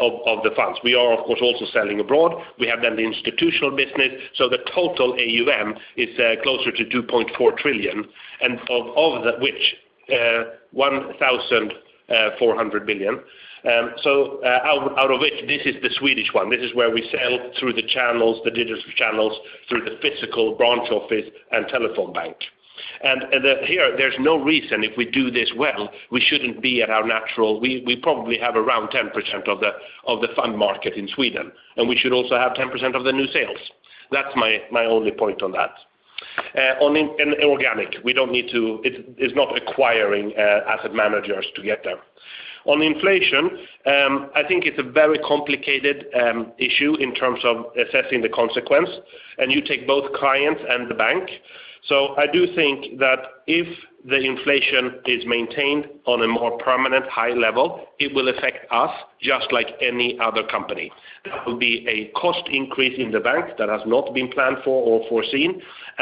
S1: of the funds. We are, of course, also selling abroad. We have then the institutional business. The total AUM is closer to 2.4 trillion, of which 1,400 billion. Out of which, this is the Swedish one. This is where we sell through the channels, the digital channels, through the physical branch office and telephone bank. Here, there's no reason if we do this well, we probably have around 10% of the fund market in Sweden, and we should also have 10% of the new sales. That's my only point on that. Organic, it's not acquiring asset managers to get there. On inflation, I think it's a very complicated issue in terms of assessing the consequence, and you take both clients and the bank. I do think that if the inflation is maintained on a more permanent high level, it will affect us just like any other company. There will be a cost increase in the bank that has not been planned for or foreseen.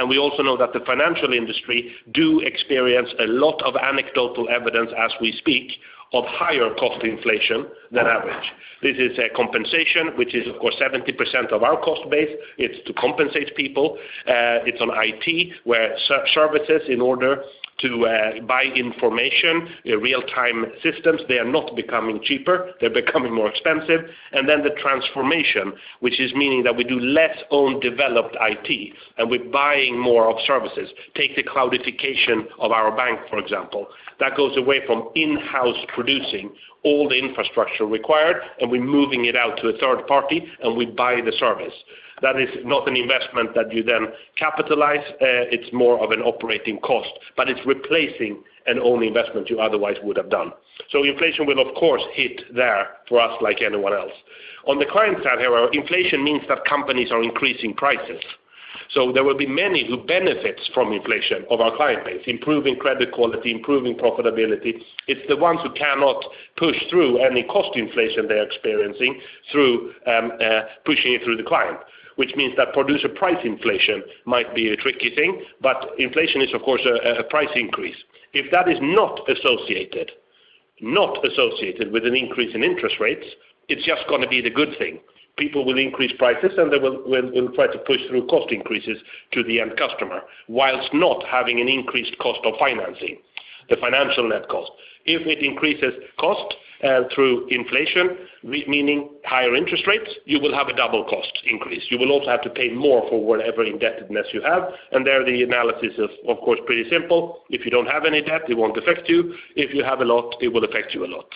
S1: We also know that the financial industry do experience a lot of anecdotal evidence as we speak of higher cost inflation than average. This is a compensation, which is, of course, 70% of our cost base. It's to compensate people. It's on IT where services in order to buy information, real-time systems, they are not becoming cheaper, they're becoming more expensive. The transformation, which is meaning that we do less own-developed IT and we're buying more of services. Take the cloudification of our bank, for example. That goes away from in-house producing all the infrastructure required, and we're moving it out to a third party and we buy the service. That is not an investment that you then capitalize. It's more of an operating cost, but it's replacing an own investment you otherwise would have done. Inflation will, of course, hit there for us like anyone else. On the client side, however, inflation means that companies are increasing prices. There will be many who benefits from inflation of our client base, improving credit quality, improving profitability. It's the ones who cannot push through any cost inflation they're experiencing through pushing it through the client, which means that producer price inflation might be a tricky thing. Inflation is, of course, a price increase. If that is not associated with an increase in interest rates, it's just going to be the good thing. People will increase prices and they will try to push through cost increases to the end customer whilst not having an increased cost of financing, the financial net cost. If it increases cost through inflation, meaning higher interest rates, you will have a double cost increase. You will also have to pay more for whatever indebtedness you have. There, the analysis is, of course, pretty simple. If you don't have any debt, it won't affect you. If you have a lot, it will affect you a lot.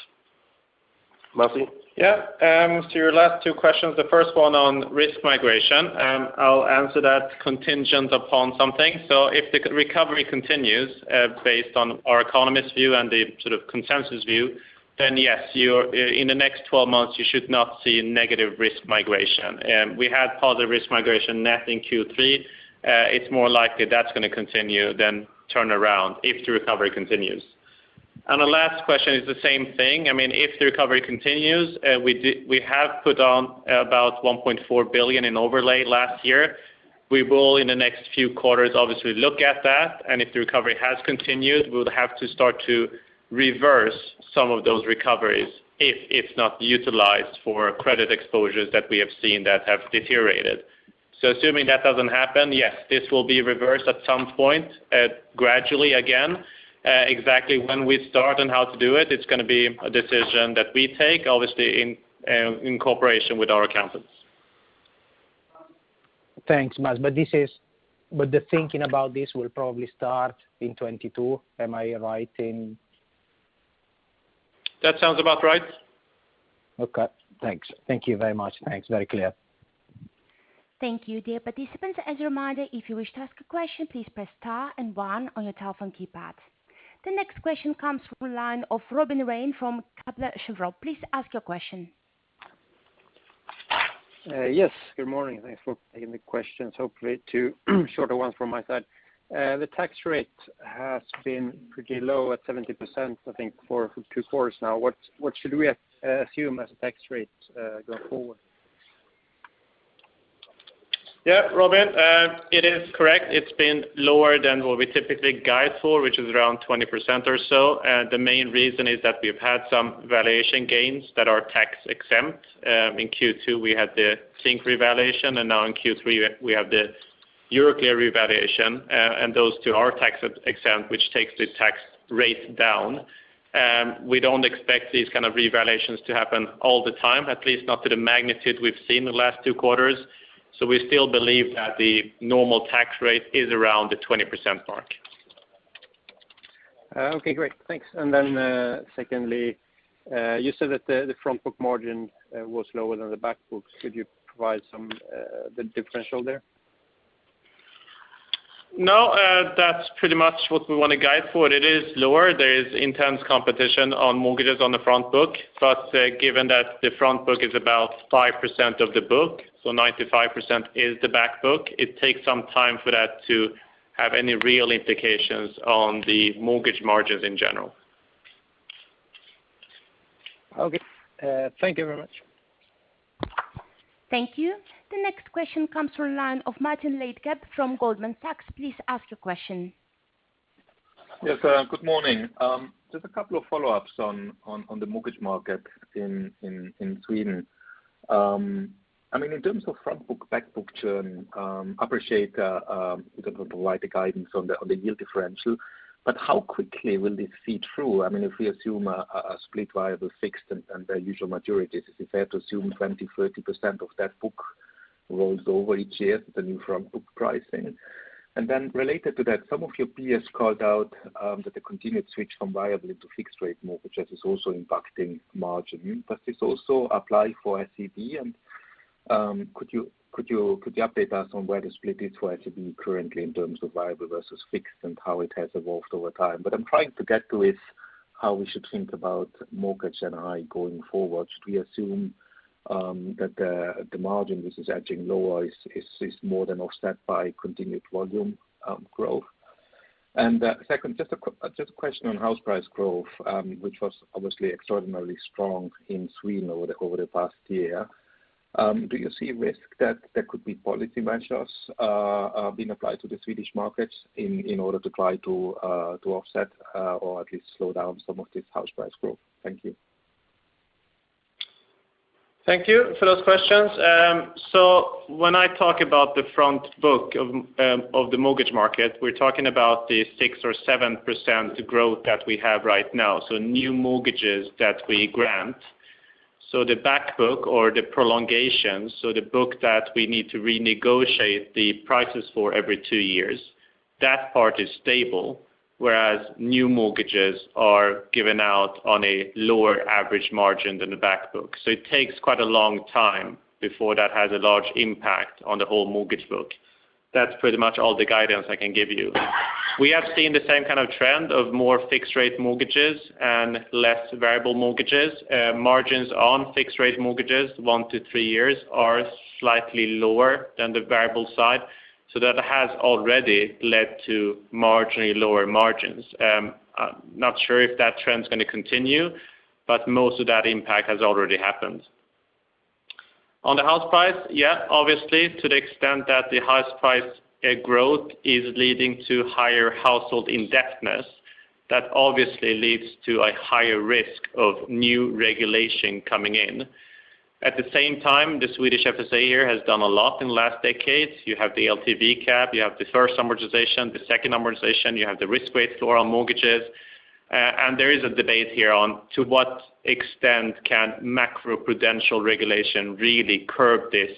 S1: Masih?
S2: To your last two questions, the first one on risk migration, I'll answer that contingent upon something. If the recovery continues based on our economist view and the consensus view, then yes, in the next 12 months you should not see negative risk migration. We had positive risk migration net in Q3. It's more likely that's going to continue than turn around if the recovery continues. The last question is the same thing. If the recovery continues, we have put on about 1.4 billion in overlay last year. We will, in the next few quarters, obviously look at that, if the recovery has continued, we would have to start to reverse some of those recoveries if it's not utilized for credit exposures that we have seen that have deteriorated. Assuming that doesn't happen, yes, this will be reversed at some point gradually again. Exactly when we start and how to do it's going to be a decision that we take obviously in cooperation with our accountants.
S12: Thanks, Masih. The thinking about this will probably start in 2022. Am I right?
S2: That sounds about right.
S12: Okay. Thanks. Thank you very much. Thanks. Very clear.
S3: Thank you, dear participants. As a reminder, if you wish to ask a question, please press star and one on your telephone keypad. The next question comes from line of Robin Rane from Kepler Cheuvreux. Please ask your question.
S13: Yes, good morning. Thanks for taking the questions. Hopefully, two shorter ones from my side. The tax rate has been pretty low at 17%, I think, for two quarters now. What should we assume as a tax rate going forward?
S1: Robin, it is correct. It's been lower than what we typically guide for, which is around 20% or so. The main reason is that we've had some valuation gains that are tax-exempt. In Q2, we had the Tink revaluation, and now in Q3, we have the Euroclear revaluation. Those two are tax-exempt, which takes the tax rate down. We don't expect these kind of revaluations to happen all the time, at least not to the magnitude we've seen the last two quarters. We still believe that the normal tax rate is around the 20% mark.
S13: Okay, great. Thanks. Secondly, you said that the front book margin was lower than the back books. Could you provide the differential there?
S1: That's pretty much what we want to guide for. It is lower. There is intense competition on mortgages on the front book. Given that the front book is about 5% of the book, so 95% is the back book, it takes some time for that to have any real implications on the mortgage margins in general.
S13: Okay. Thank you very much.
S3: Thank you. The next question comes from line of Martin Leitgeb from Goldman Sachs. Please ask your question.
S14: Yes, good morning. Just a couple of follow-ups on the mortgage market in Sweden. In terms of front book, back book churn, appreciate you don't want to provide the guidance on the yield differential, but how quickly will this feed through? If we assume a split variable fixed and their usual maturities, is it fair to assume 20%, 30% of that book rolls over each year at the new front book pricing? Related to that, some of your peers called out that the continued switch from variable into fixed rate mortgages is also impacting margin. Does this also apply for SEB, and could you update us on where the split is for SEB currently in terms of variable versus fixed and how it has evolved over time? I'm trying to get to is how we should think about mortgage NII going forward. Should we assume that the margin, which is edging lower, is more than offset by continued volume growth? Second, just a question on house price growth, which was obviously extraordinarily strong in Sweden over the past year. Do you see risk that there could be policy measures being applied to the Swedish markets in order to try to offset or at least slow down some of this house price growth? Thank you.
S1: Thank you for those questions. When I talk about the front book of the mortgage market, we're talking about the 6% or 7% growth that we have right now. New mortgages that we grant. The back book or the prolongation, the book that we need to renegotiate the prices for every two years, that part is stable, whereas new mortgages are given out on a lower average margin than the back book. It takes quite a long time before that has a large impact on the whole mortgage book. That's pretty much all the guidance I can give you. We have seen the same trend of more fixed-rate mortgages and less variable mortgages. Margins on fixed-rate mortgages one to three years are slightly lower than the variable side. That has already led to marginally lower margins. I'm not sure if that trend's going to continue, but most of that impact has already happened. On the house price, obviously, to the extent that the house price growth is leading to higher household indebtedness, that obviously leads to a higher risk of new regulation coming in. At the same time, the Swedish FSA here has done a lot in the last decade. You have the LTV cap, you have the first amortization, the second amortization, you have the risk weight floor on mortgages. There is a debate here on to what extent can macroprudential regulation really curb this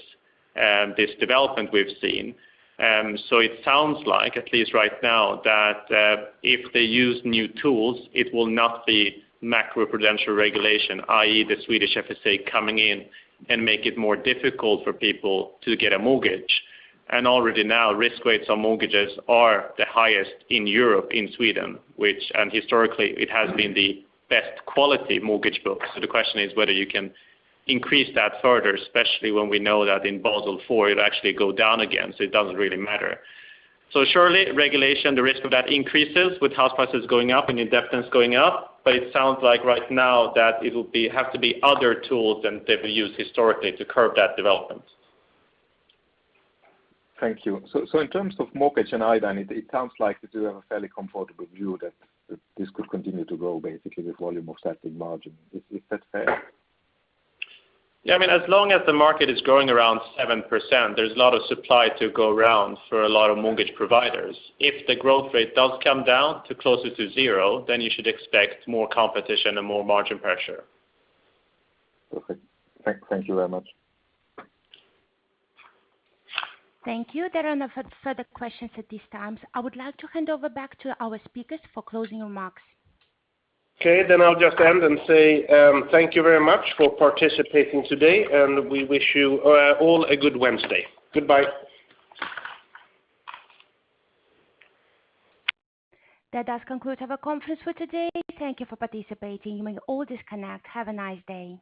S1: development we've seen. It sounds like, at least right now, that if they use new tools, it will not be macroprudential regulation, i.e., the Swedish FSA coming in and make it more difficult for people to get a mortgage. Already now, risk weights on mortgages are the highest in Europe, in Sweden, which historically it has been the best quality mortgage book. The question is whether you can increase that further, especially when we know that in Basel IV, it'll actually go down again. It doesn't really matter. Surely, regulation, the risk of that increases with house prices going up and indebtedness going up. It sounds like right now that it'll have to be other tools than they've used historically to curb that development.
S14: Thank you. In terms of mortgage NII then, it sounds like you do have a fairly comfortable view that this could continue to grow basically with volume offsetting margin. Is that fair?
S1: Yeah. As long as the market is growing around 7%, there's a lot of supply to go around for a lot of mortgage providers. If the growth rate does come down to closer to zero, then you should expect more competition and more margin pressure.
S14: Okay. Thank you very much.
S3: Thank you. There are no further questions at this time. I would like to hand over back to our speakers for closing remarks.
S1: Okay, I'll just end and say thank you very much for participating today, and we wish you all a good Wednesday. Goodbye.
S3: That does conclude our conference for today. Thank you for participating. You may all disconnect. Have a nice day.